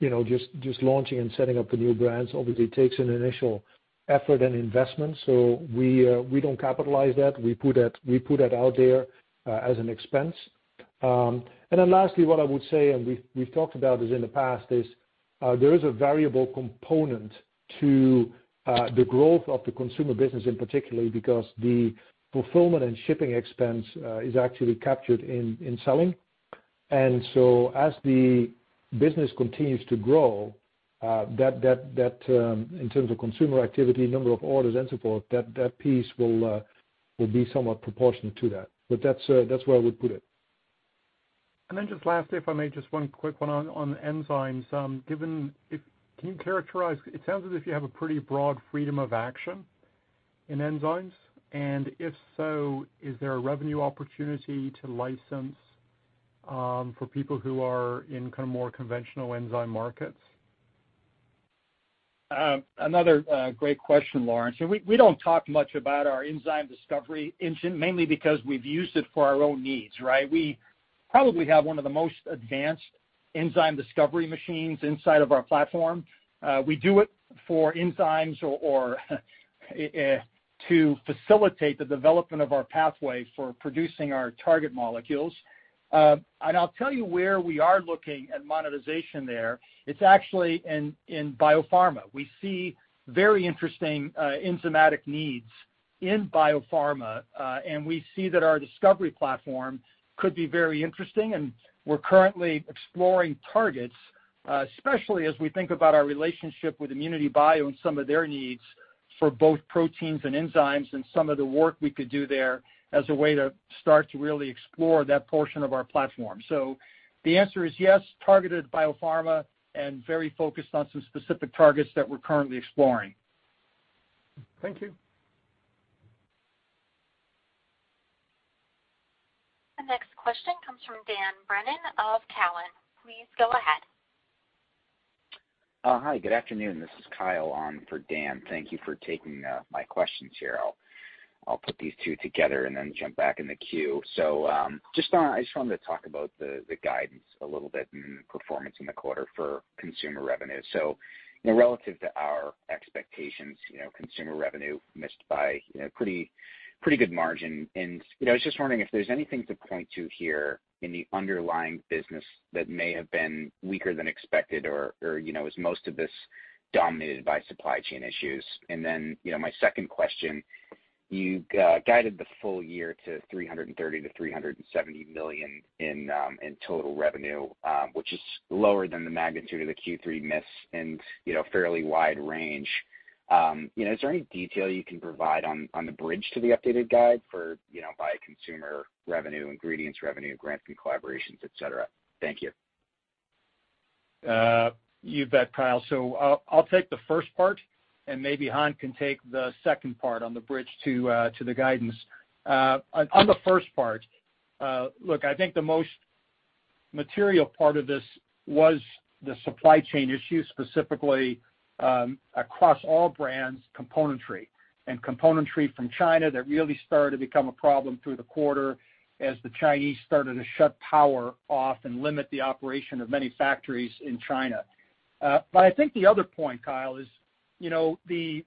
you know, just launching and setting up the new brands obviously takes an initial effort and investment. We don't capitalize that. We put it out there as an expense. Lastly, what I would say, and we've talked about this in the past, is there is a variable component to the growth of the consumer business in particular, because the fulfillment and shipping expense is actually captured in selling. As the business continues to grow, that, in terms of consumer activity, number of orders and so forth, that piece will be somewhat proportionate to that. That's where I would put it. Just lastly, if I may, just one quick one on enzymes. It sounds as if you have a pretty broad freedom of action in enzymes, and if so, is there a revenue opportunity to license for people who are in kind of more conventional enzyme markets? Another great question, Laurence. We, we don't talk much about our enzyme discovery engine, mainly because we've used it for our own needs, right? We probably have one of the most advanced enzyme discovery machines inside of our platform. We do it for enzymes or to facilitate the development of our pathway for producing our target molecules. I'll tell you where we are looking at monetization there. It's actually in biopharma. We see very interesting enzymatic needs in biopharma, and we see that our discovery platform could be very interesting, and we're currently exploring targets, especially as we think about our relationship with ImmunityBio and some of their needs for both proteins and enzymes and some of the work we could do there as a way to start to really explore that portion of our platform. The answer is yes, targeted biopharma and very focused on some specific targets that we're currently exploring. Thank you. The next question comes from Dan Brennan of Cowen. Please go ahead. Hi, good afternoon. This is Kyle on for Dan. Thank you for taking my questions here. I'll put these two together and then jump back in the queue. I just wanted to talk about the guidance a little bit and performance in the quarter for consumer revenue. You know, relative to our expectations, you know, consumer revenue missed by, you know, pretty good margin. You know, I was just wondering if there's anything to point to here in the underlying business that may have been weaker than expected or, you know, is most of this dominated by supply chain issues? You know, my second question, you guided the full year to $330 million-$370 million in total revenue, which is lower than the magnitude of the Q3 miss and fairly wide range. You know, is there any detail you can provide on the bridge to the updated guide for by consumer revenue, ingredients revenue, grants and collaborations, etc? Thank you. You bet, Kyle. I'll take the first part, and maybe Han can take the second part on the bridge to the guidance. On the first part, look, I think the most material part of this was the supply chain issue, specifically, across all brands, componentry. Componentry from China, that really started to become a problem through the quarter as the Chinese started to shut power off and limit the operation of many factories in China. I think the other point, Kyle, is, you know, the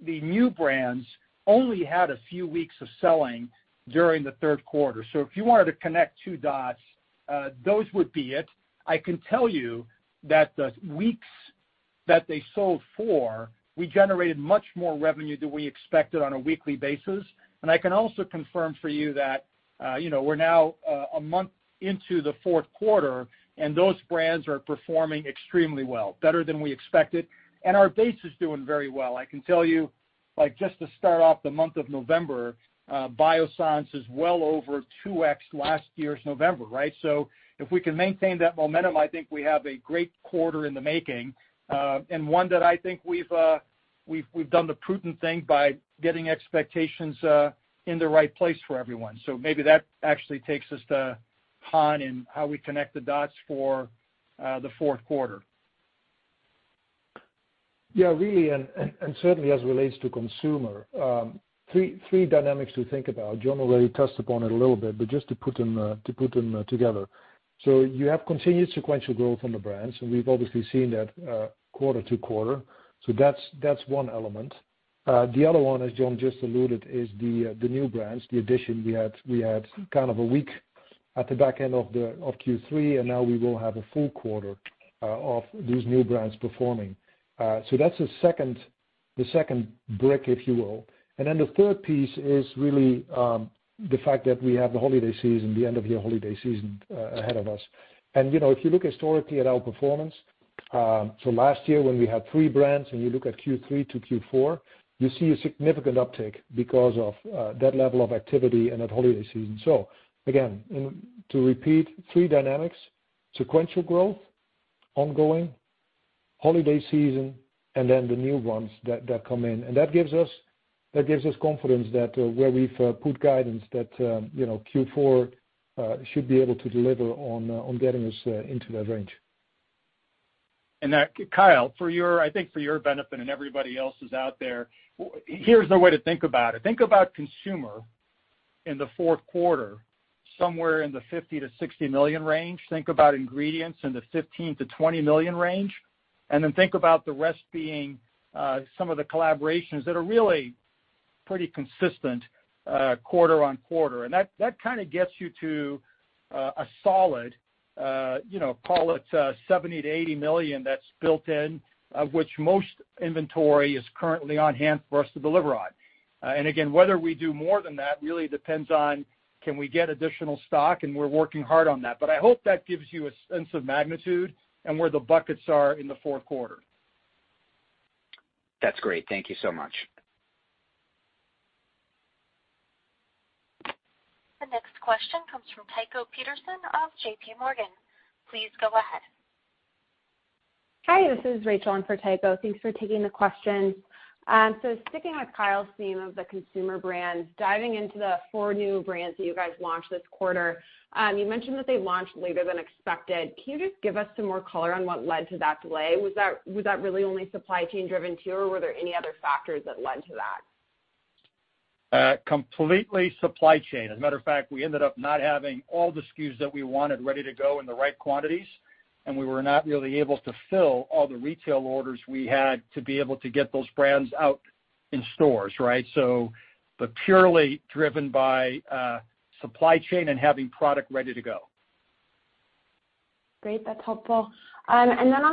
new brands only had a few weeks of selling during the third quarter. If you wanted to connect two dots, those would be it. I can tell you that the weeks that they sold for, we generated much more revenue than we expected on a weekly basis. I can also confirm for you that, you know, we're now a month into the fourth quarter, those brands are performing extremely well, better than we expected. Our base is doing very well. I can tell you, like, just to start off the month of November, Biossance is well over 2x last year's November, right? If we can maintain that momentum, I think we have a great quarter in the making, and one that I think we've done the prudent thing by getting expectations in the right place for everyone. Maybe that actually takes us to Han and how we connect the dots for the fourth quarter. Really, certainly as it relates to consumer, three dynamics to think about. John already touched upon it a little bit, but just to put them together. You have continued sequential growth on the brands, and we've obviously seen that quarter-to-quarter. That's one element. The other one, as John just alluded, is the new brands, the addition we had kind of a week at the back end of Q3, and now we will have a full quarter of these new brands performing. That's the second brick, if you will. The third piece is really the fact that we have the holiday season, the end of year holiday season ahead of us. You know, if you look historically at our performance, last year when we had three brands and you look at Q3 to Q4, you see a significant uptick because of that level of activity and that holiday season. Again, and to repeat, three dynamics: sequential growth ongoing, holiday season, and then the new ones that come in. That gives us That gives us confidence that where we've put guidance that, you know, Q4 should be able to deliver on getting us into that range. Kyle, for your, I think for your benefit and everybody else's out there, here's the way to think about it. Think about consumer in the fourth quarter, somewhere in the $50 million-$60 million range. Think about ingredients in the $15 million-$20 million range. Think about the rest being some of the collaborations that are really pretty consistent quarter-on-quarter. That kind of gets you to a solid, you know, call it, $70 million-$80 million that's built in, of which most inventory is currently on-hand for us to deliver on. Again, whether we do more than that really depends on can we get additional stock, and we're working hard on that. I hope that gives you a sense of magnitude and where the buckets are in the fourth quarter. That's great. Thank you so much. The next question comes from Tycho Peterson of JPMorgan. Please go ahead. Hi, this is Rachel in for Tycho. Thanks for taking the question. Sticking with Kyle's theme of the consumer brands, diving into the four new brands that you guys launched this quarter, you mentioned that they launched later than expected. Can you just give us some more color on what led to that delay? Was that really only supply chain driven too, or were there any other factors that led to that? Completely supply chain. As a matter of fact, we ended up not having all the SKUs that we wanted ready to go in the right quantities, and we were not really able to fill all the retail orders we had to be able to get those brands out in stores, right? Purely driven by supply chain and having product ready to go. Great. That's helpful. On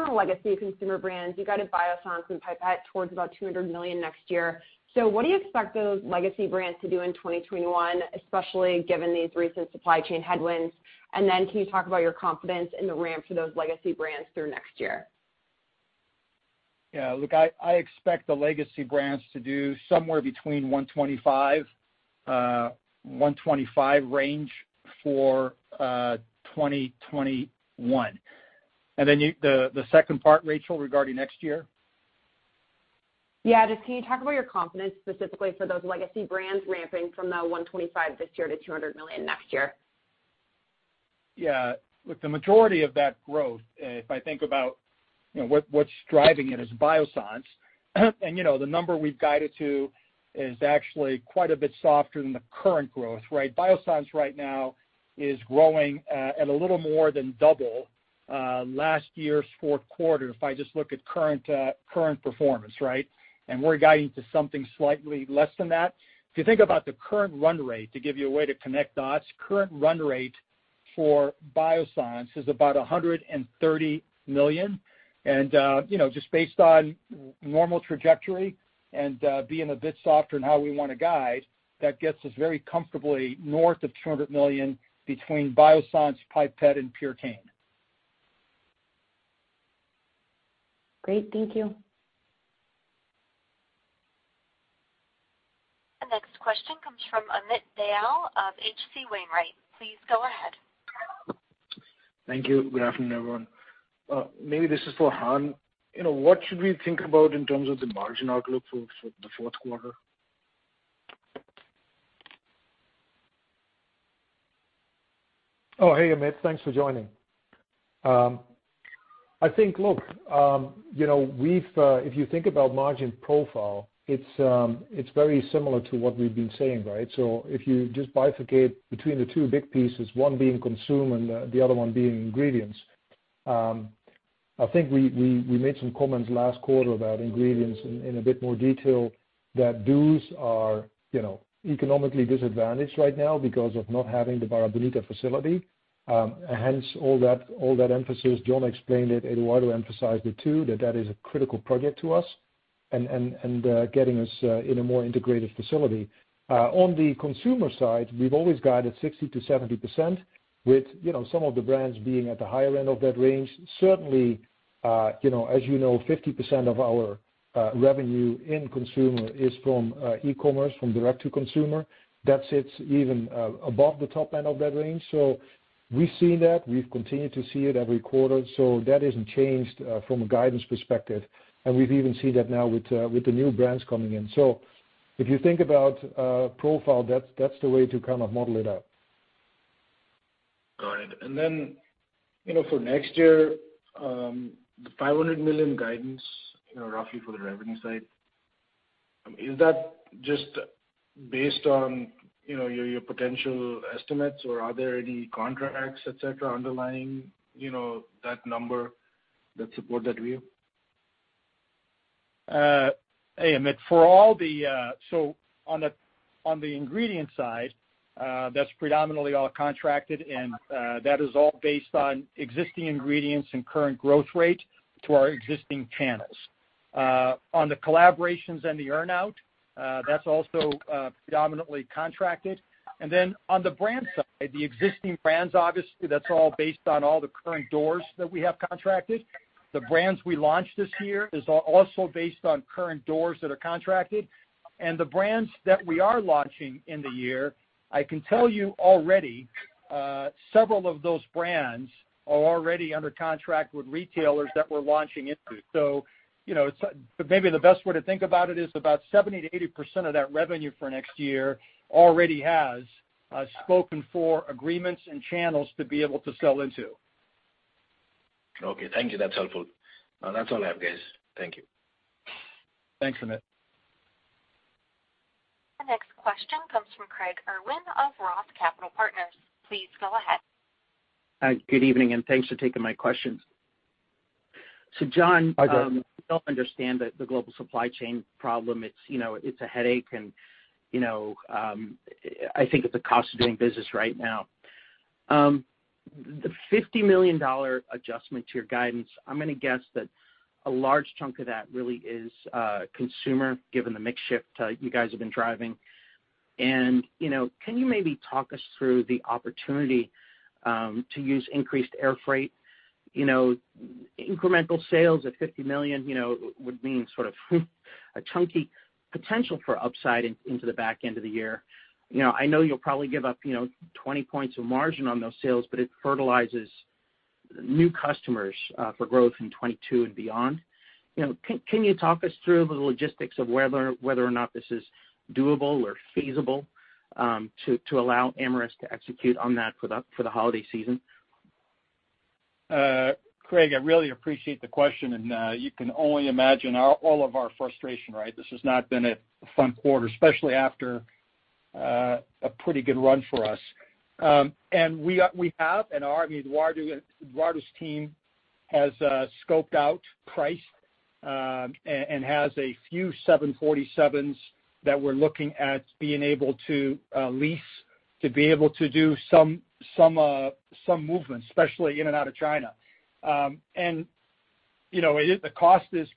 the legacy consumer brands, you guided Biossance and Pipette towards about $200 million next year. What do you expect those legacy brands to do in 2021, especially given these recent supply chain headwinds? Can you talk about your confidence in the ramp for those legacy brands through next year? Yeah. Look, I expect the legacy brands to do somewhere between $125 million range for 2021. Then the second part, Rachel, regarding next year? Yeah. Just can you talk about your confidence specifically for those legacy brands ramping from the $125 this year to $200 million next year? Yeah. Look, the majority of that growth, if I think about, you know, what's driving it is Biossance. You know, the number we've guided to is actually quite a bit softer than the current growth, right? Biossance right now is growing at a little more than double last year's fourth quarter if I just look at current performance, right? We're guiding to something slightly less than that. If you think about the current run rate, to give you a way to connect dots, current run rate for Biossance is about $130 million. You know, just based on normal trajectory and being a bit softer in how we wanna guide, that gets us very comfortably north of $200 million between Biossance, Pipette and Purecane. Great. Thank you. The next question comes from Amit Dayal of H.C. Wainwright. Please go ahead. Thank you. Good afternoon, everyone. Maybe this is for Han. You know, what should we think about in terms of the margin outlook for the fourth quarter? Oh, hey, Amit. Thanks for joining. I think, look, you know, we've, if you think about margin profile, it's very similar to what we've been saying, right? If you just bifurcate between the two big pieces, one being consume and the other one being ingredients, I think we made some comments last quarter about ingredients in a bit more detail that those are, you know, economically disadvantaged right now because of not having the Barra Bonita facility. Hence all that, all that emphasis, John explained it, Eduardo emphasized it too, that that is a critical project to us and getting us in a more integrated facility. On the consumer side, we've always guided 60%-70% with, you know, some of the brands being at the higher end of that range. Certainly, you know, 50% of our revenue in consumer is from e-commerce, from direct to consumer. That sits even above the top end of that range. We've seen that. We've continued to see it every quarter, so that isn't changed from a guidance perspective. We've even seen that now with the new brands coming in. If you think about profile, that's the way to kind of model it out. Got it. you know, for next year, the $500 million guidance, you know, roughly for the revenue side, is that just based on, you know, your potential estimates, or are there any contracts, etc, underlying, you know, that number that support that view? Hey, Amit. On the ingredient side, that's predominantly all contracted and that is all based on existing ingredients and current growth rate to our existing channels. On the collaborations and the earn-out, that's also predominantly contracted. On the brand side, the existing brands, obviously that's all based on all the current doors that we have contracted. The brands we launched this year is also based on current doors that are contracted. The brands that we are launching in the year, I can tell you already, several of those brands are already under contract with retailers that we're launching into. You know, it's maybe the best way to think about it is about 70%-80% of that revenue for next year already has spoken for agreements and channels to be able to sell into. Okay. Thank you. That's helpful. That's all I have, guys. Thank you. Thanks, Amit. The next question comes from Craig Irwin of ROTH Capital Partners. Please go ahead. Hi, good evening, and thanks for taking my questions. Hi, Craig. We all understand that the global supply chain problem, it's, you know, it's a headache and, you know, I think it's a cost of doing business right now. The $50 million adjustment to your guidance, I'm gonna guess that a large chunk of that really is consumer, given the mix shift you guys have been driving. You know, can you maybe talk us through the opportunity to use increased air freight? You know, incremental sales at $50 million, you know, would mean sort of a chunky potential for upside into the back end of the year. You know, I know you'll probably give up, you know, 20 points of margin on those sales, but it fertilizes new customers for growth in 2022 and beyond. You know, can you talk us through the logistics of whether or not this is doable or feasible, to allow Amyris to execute on that for the holiday season? Craig, I really appreciate the question, you can only imagine all of our frustration, right? This has not been a fun quarter, especially after a pretty good run for us. We have, and our Eduardo's team has scoped out price, has a few 747s that we're looking at being able to lease to be able to do some movement, especially in and out of China. You know, the cost is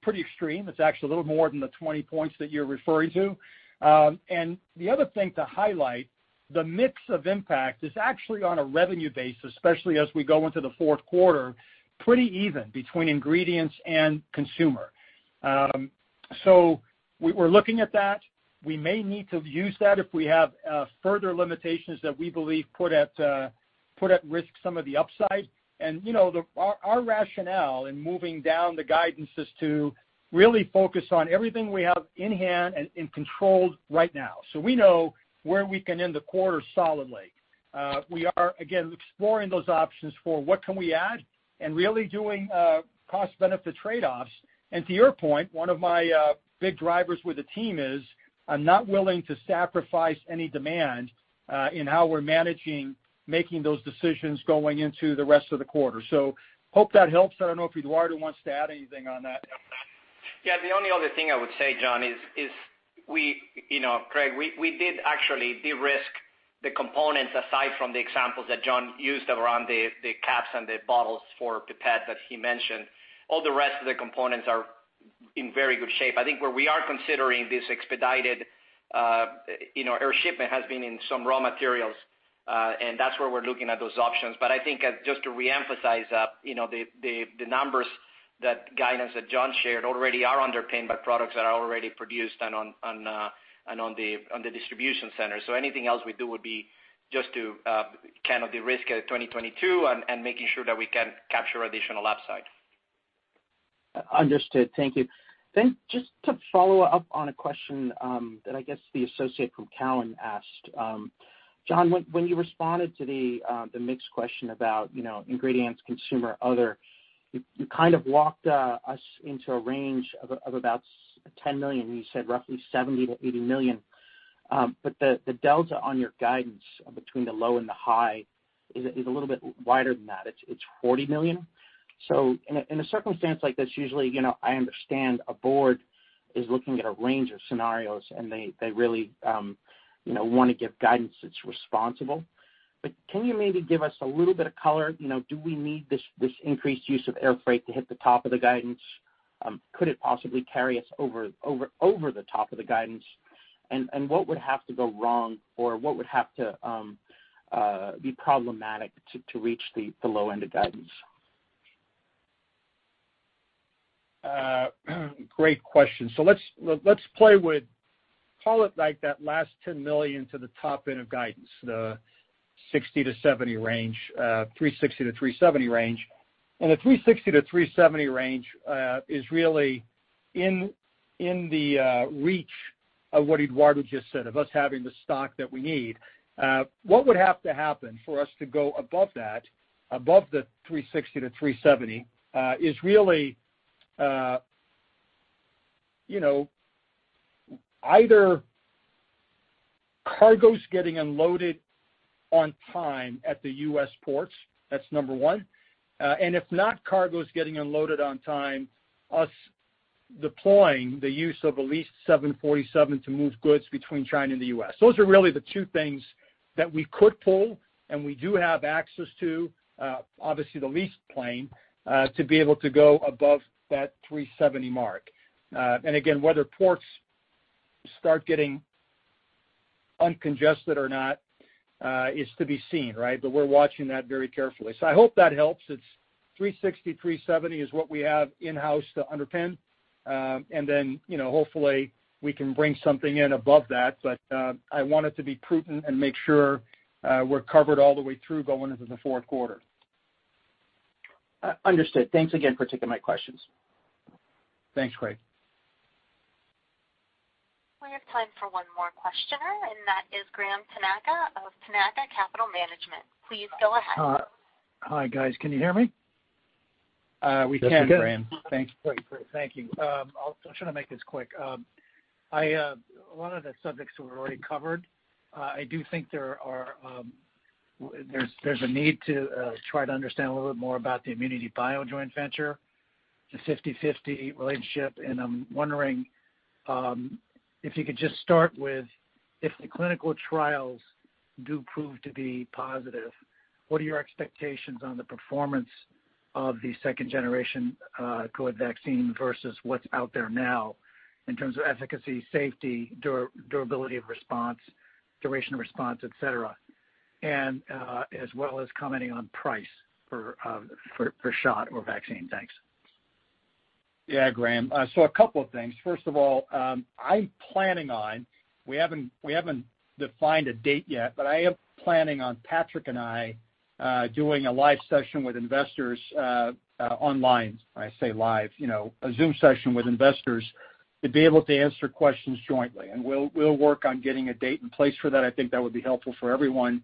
pretty extreme. It's actually a little more than the 20 points that you're referring to. The other thing to highlight, the mix of impact is actually on a revenue basis, especially as we go into the fourth quarter, pretty even between ingredients and consumer. We're looking at that. We may need to use that if we have further limitations that we believe put at risk some of the upside. You know, our rationale in moving down the guidance is to really focus on everything we have in hand and in control right now. We know where we can end the quarter solidly. We are, again, exploring those options for what can we add and really doing cost-benefit trade-offs. To your point, one of my big drivers with the team is I'm not willing to sacrifice any demand in how we're managing making those decisions going into the rest of the quarter. Hope that helps. I don't know if Eduardo wants to add anything on that. Yeah. The only other thing I would say, John, is we, you know, Craig, we did actually de-risk the components aside from the examples that John used around the caps and the bottles for Pipette that he mentioned. All the rest of the components are in very good shape. I think where we are considering this expedited, you know, air shipment has been in some raw materials, and that's where we're looking at those options. I think just to reemphasize, you know, the numbers, that guidance that John shared already are underpinned by products that are already produced and on the distribution center. Anything else we do would be just to kind of de-risk 2022 and making sure that we can capture additional upside. Understood. Thank you. Just to follow up on a question, that I guess the associate from Cowen asked. John, when you responded to the mix question about, you know, ingredients, consumer, other, you kind of walked us into a range of about $10 million. You said roughly $70 million-$80 million. The delta on your guidance between the low and the high is a little bit wider than that. It's $40 million. In a circumstance like this, usually, you know, I understand a board is looking at a range of scenarios, and they really, you know, wanna give guidance that's responsible. Can you maybe give us a little bit of color? You know, do we need this increased use of air freight to hit the top of the guidance? Could it possibly carry us over the top of the guidance? What would have to go wrong or what would have to be problematic to reach the low end of guidance? Great question. Let's, let's play with, call it like that last $10 million to the top end of guidance, the $60 million-$70 million range, the $360 million-$370 million range. The $360 million-$370 million range is really in the reach of what Eduardo just said, of us having the stock that we need. What would have to happen for us to go above that, above the $360 million-$370 million, is really, you know, either cargos getting unloaded on time at the U.S. ports, that's number one. If not cargos getting unloaded on time, us deploying the use of a leased 747 to move goods between China and the U.S. Those are really the two things that we could pull, and we do have access to, obviously the leased plane, to be able to go above that 370 mark. Again, whether ports start getting uncongested or not, is to be seen, right? We're watching that very carefully. I hope that helps. It's 360, 370 is what we have in-house to underpin. Then, you know, hopefully we can bring something in above that. I wanted to be prudent and make sure, we're covered all the way through going into the fourth quarter. understood. Thanks again for taking my questions. Thanks, Craig. We have time for one more questioner, and that is Graham Tanaka of Tanaka Capital Management. Please go ahead. Hi, guys. Can you hear me? We can, Graham. Thank you. I'm trying to make this quick. I, a lot of the subjects were already covered. I do think there are, there's a need to try to understand a little bit more about the ImmunityBio joint venture, the 50/50 relationship. I'm wondering, if you could just start with, if the clinical trials do prove to be positive, what are your expectations on the performance of the second generation COVID-19 vaccine versus what's out there now in terms of efficacy, safety, durability of response, duration of response, etc, and as well as commenting on price for shot or vaccine. Thanks. Yeah, Graham. So a couple of things. First of all, I'm planning on. We haven't defined a date yet, but I am planning on Patrick and I doing a live session with investors online. I say live, you know, a Zoom session with investors to be able to answer questions jointly, and we'll work on getting a date and place for that. I think that would be helpful for everyone,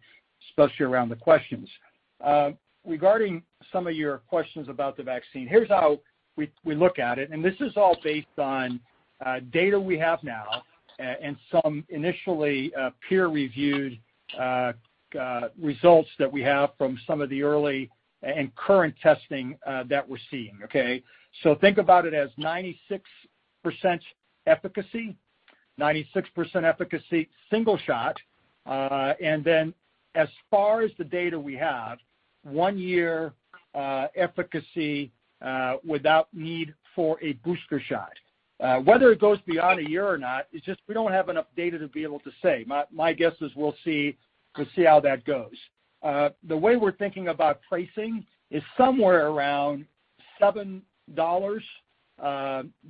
especially around the questions. Regarding some of your questions about the vaccine, here's how we look at it, and this is all based on data we have now and some initially peer-reviewed results that we have from some of the early and current testing that we're seeing, okay? Think about it as 96% efficacy. 96% efficacy, single shot, as far as the data we have, one year efficacy without need for a booster shot. Whether it goes beyond a year or not, it's just we don't have enough data to be able to say. My guess is we'll see how that goes. The way we're thinking about pricing is somewhere around $7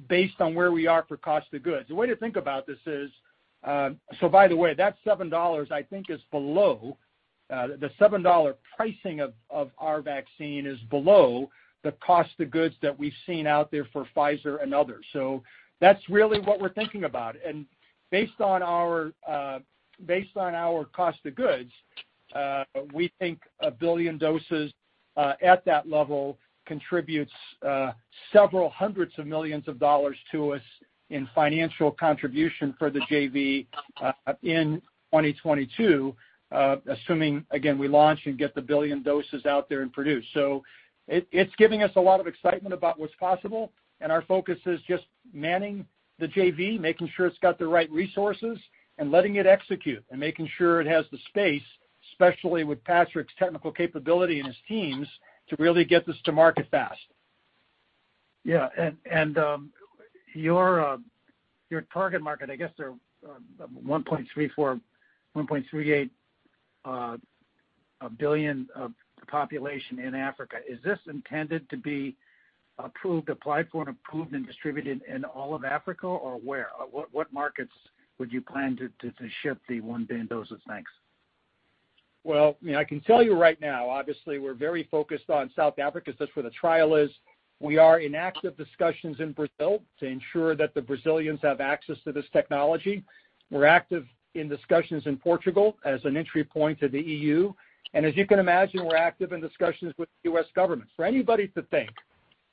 based on where we are for cost of goods. The way to think about this is. By the way, that $7 I think is below, the $7 pricing of our vaccine is below the cost of goods that we've seen out there for Pfizer and others. That's really what we're thinking about. Based on our, based on our cost of goods, we think 1 billion doses, at that level contributes, several hundreds of millions of dollars to us in financial contribution for the JV, in 2022, assuming, again, we launch and get the 1 billion doses out there and produced. It's giving us a lot of excitement about what's possible, and our focus is just manning the JV, making sure it's got the right resources and letting it execute and making sure it has the space, especially with Patrick's technical capability and his teams, to really get this to market fast. Yeah. Your target market, I guess they're 1.34, 1.38 billion of the population in Africa. Is this intended to be approved, applied for and approved and distributed in all of Africa, or where? What markets would you plan to ship the 1 billion doses? Thanks. Well, you know, I can tell you right now, obviously, we're very focused on South Africa. That's where the trial is. We are in active discussions in Brazil to ensure that the Brazilians have access to this technology. We're active in discussions in Portugal as an entry point to the EU. As you can imagine, we're active in discussions with the U.S. government. For anybody to think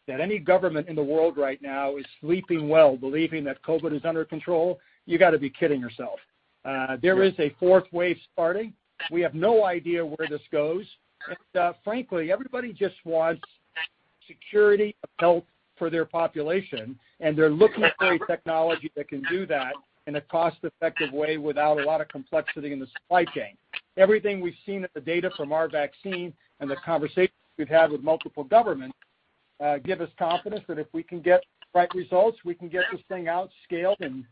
that any government in the world right now is sleeping well, believing that COVID-19 is under control, you got to be kidding yourself. There is a fourth wave starting. We have no idea where this goes. Frankly, everybody just wants security of health for their population, and they're looking for a technology that can do that in a cost-effective way without a lot of complexity in the supply chain. Everything we've seen at the data from our vaccine and the conversations we've had with multiple governments, give us confidence that if we can get the right results, we can get this thing out, scaled and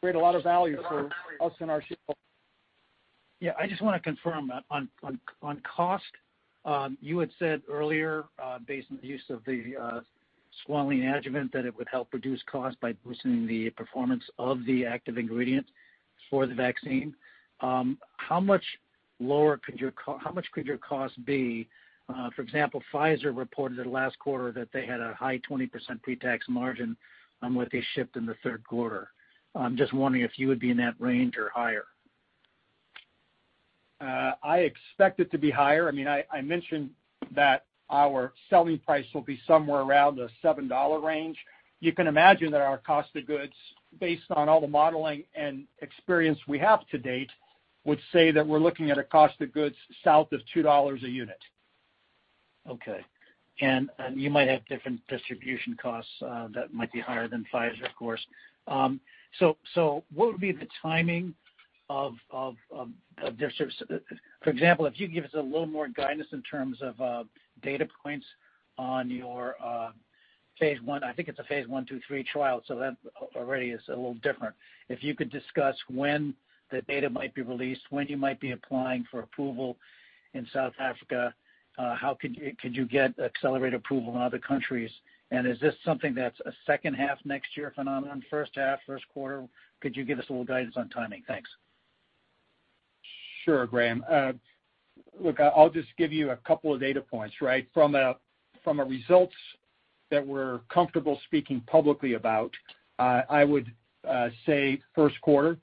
create a lot of value for us and our shareholders. Yeah. I just wanna confirm on, on cost, you had said earlier, based on the use of the squalene adjuvant that it would help reduce cost by boosting the performance of the active ingredient for the vaccine. How much could your cost be? For example, Pfizer reported last quarter that they had a high 20% pretax margin on what they shipped in the third quarter. I'm just wondering if you would be in that range or higher. I expect it to be higher. I mean, I mentioned that our selling price will be somewhere around the $7 range. You can imagine that our cost of goods, based on all the modeling and experience we have to date, would say that we're looking at a cost of goods south of $2 a unit. Okay. You might have different distribution costs that might be higher than Pfizer, of course. What would be the timing of their service? For example, if you give us a little more guidance in terms of data points on your phase I think it's a phase I/II/III trial, so that already is a little different. If you could discuss when the data might be released, when you might be applying for approval in South Africa, how could you get accelerated approval in other countries? Is this something that's a second half next year phenomenon, first half, first quarter? Could you give us a little guidance on timing? Thanks. Sure, Graham. Look, I'll just give you a couple of data points, right? From a results that we're comfortable speaking publicly about, I would say first quarter.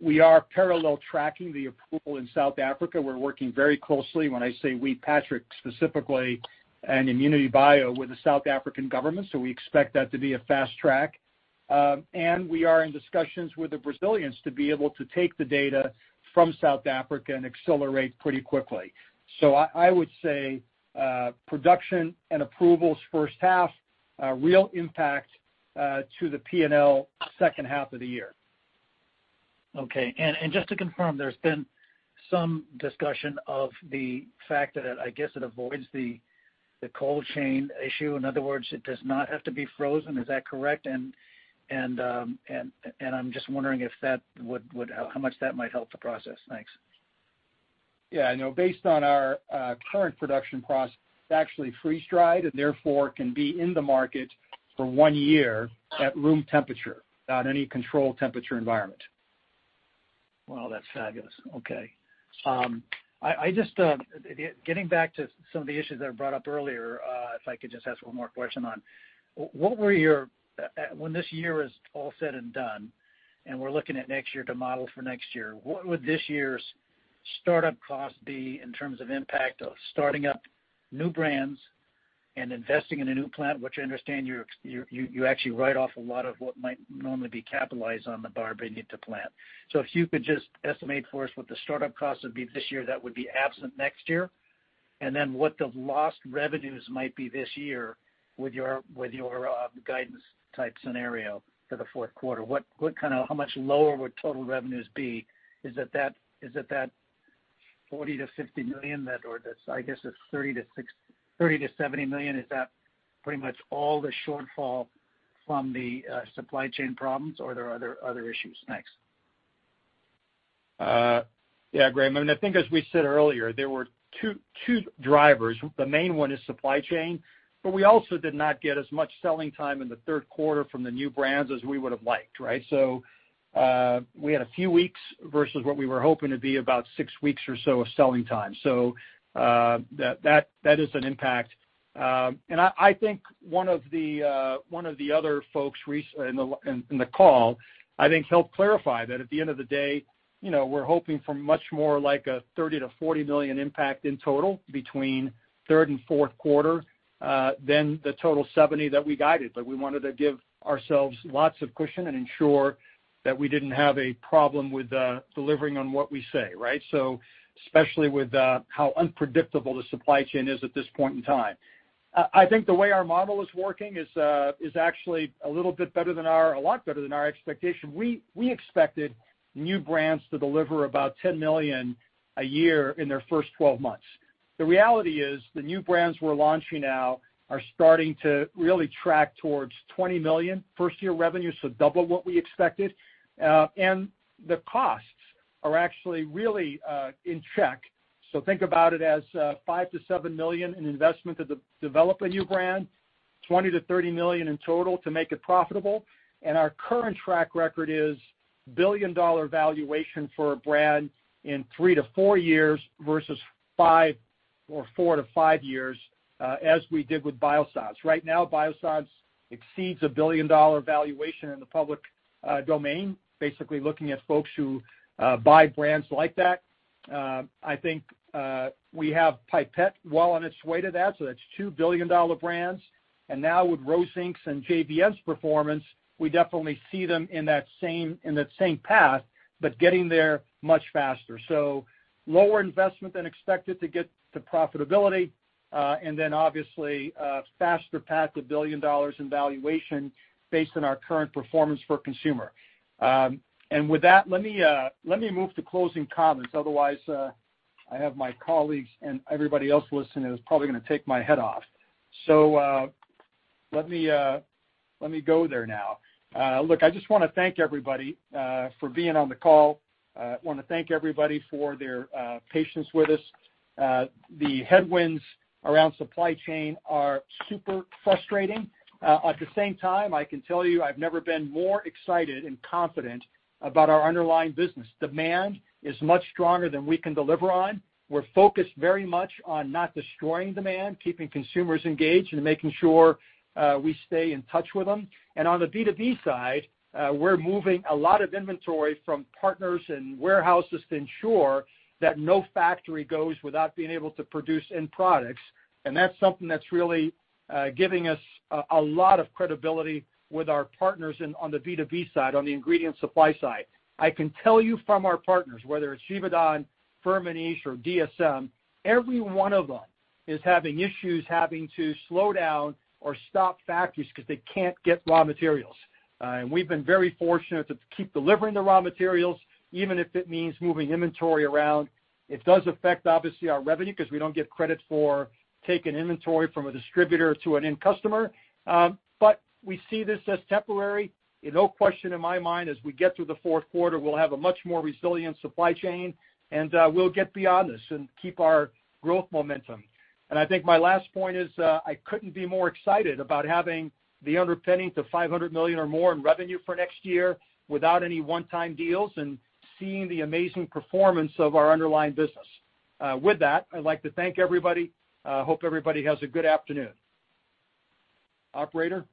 We are parallel tracking the approval in South Africa. We're working very closely, when I say we, Patrick specifically, and ImmunityBio with the South African government, so we expect that to be a fast track. And we are in discussions with the Brazilians to be able to take the data from South Africa and accelerate pretty quickly. I would say production and approvals first half, real impact to the P&L second half of the year. Okay. Just to confirm, there's been some discussion of the fact that, I guess, it avoids the cold chain issue. In other words, it does not have to be frozen. Is that correct? I'm just wondering if that would how much that might help the process. Thanks. Yeah, no, based on our current production process, it's actually freeze-dried and therefore can be in the market for one year at room temperature, without any controlled temperature environment. Wow, that's fabulous. Okay. I just getting back to some of the issues that were brought up earlier, if I could just ask one more question on when this year is all said and done, and we're looking at next year to model for next year, what would this year's startup cost be in terms of impact of starting up new brands and investing in a new plant, which I understand you actually write off a lot of what might normally be capitalized on the Barra Bonita plant. If you could just estimate for us what the startup cost would be this year, that would be absent next year. Then what the lost revenues might be this year with your guidance type scenario for the fourth quarter. How much lower would total revenues be? Is it that $40 million-$50 million that or this, I guess, it's $30 million-$70 million, is that pretty much all the shortfall from the supply chain problems or are there other issues? Thanks. Yeah, Graham. I think as we said earlier, there were two drivers. The main one is supply chain, but we also did not get as much selling time in the third quarter from the new brands as we would have liked, right. We had a few weeks versus what we were hoping to be about six weeks or so of selling time. That is an impact. I think one of the, one of the other folks in the call, I think helped clarify that at the end of the day, you know, we're hoping for much more like a $30 million-$40 million impact in total between third and fourth quarter, than the total $70 million that we guided. We wanted to give ourselves lots of cushion and ensure that we didn't have a problem with delivering on what we say, right? Especially with how unpredictable the supply chain is at this point in time. I think the way our model is working is actually a lot better than our expectation. We expected new brands to deliver about $10 million a year in their first 12 months. The reality is, the new brands we're launching now are starting to really track towards $20 million first year revenue, so double what we expected. The costs are actually really in check. Think about it as $5 million-$7 million in investment to de-develop a new brand, $20 million-$30 million in total to make it profitable. Our current track record is billion-dollar valuation for a brand in three to four years versus four to five years, as we did with Biossance. Right now, Biossance exceeds a billion-dollar valuation in the public domain, basically looking at folks who buy brands like that. I think we have Pipette well on its way to that, so that's two billion-dollar brands. Now with Rose Inc.'s and JVN performance, we definitely see them in that same path, but getting there much faster. Lower investment than expected to get to profitability, and then obviously, faster path to $1 billion in valuation based on our current performance for consumer. With that, let me move to closing comments. Otherwise, I have my colleagues and everybody else listening is probably gonna take my head off. Let me, let me go there now. Look, I just wanna thank everybody for being on the call. Wanna thank everybody for their patience with us. The headwinds around supply chain are super frustrating. At the same time, I can tell you I've never been more excited and confident about our underlying business. Demand is much stronger than we can deliver on. We're focused very much on not destroying demand, keeping consumers engaged, and making sure we stay in touch with them. On the B2B side, we're moving a lot of inventory from partners and warehouses to ensure that no factory goes without being able to produce end products. That's something that's really giving us a lot of credibility with our partners in, on the B2B side, on the ingredient supply side. I can tell you from our partners, whether it's Givaudan, Firmenich, or DSM, every one of them is having issues having to slow down or stop factories because they can't get raw materials. We've been very fortunate to keep delivering the raw materials, even if it means moving inventory around. It does affect, obviously, our revenue because we don't get credit for taking inventory from a distributor to an end customer. We see this as temporary. No question in my mind, as we get through the fourth quarter, we'll have a much more resilient supply chain, and we'll get beyond this and keep our growth momentum. I think my last point is, I couldn't be more excited about having the underpinning to $500 million or more in revenue for next year without any one-time deals and seeing the amazing performance of our underlying business. With that, I'd like to thank everybody. Hope everybody has a good afternoon. Operator?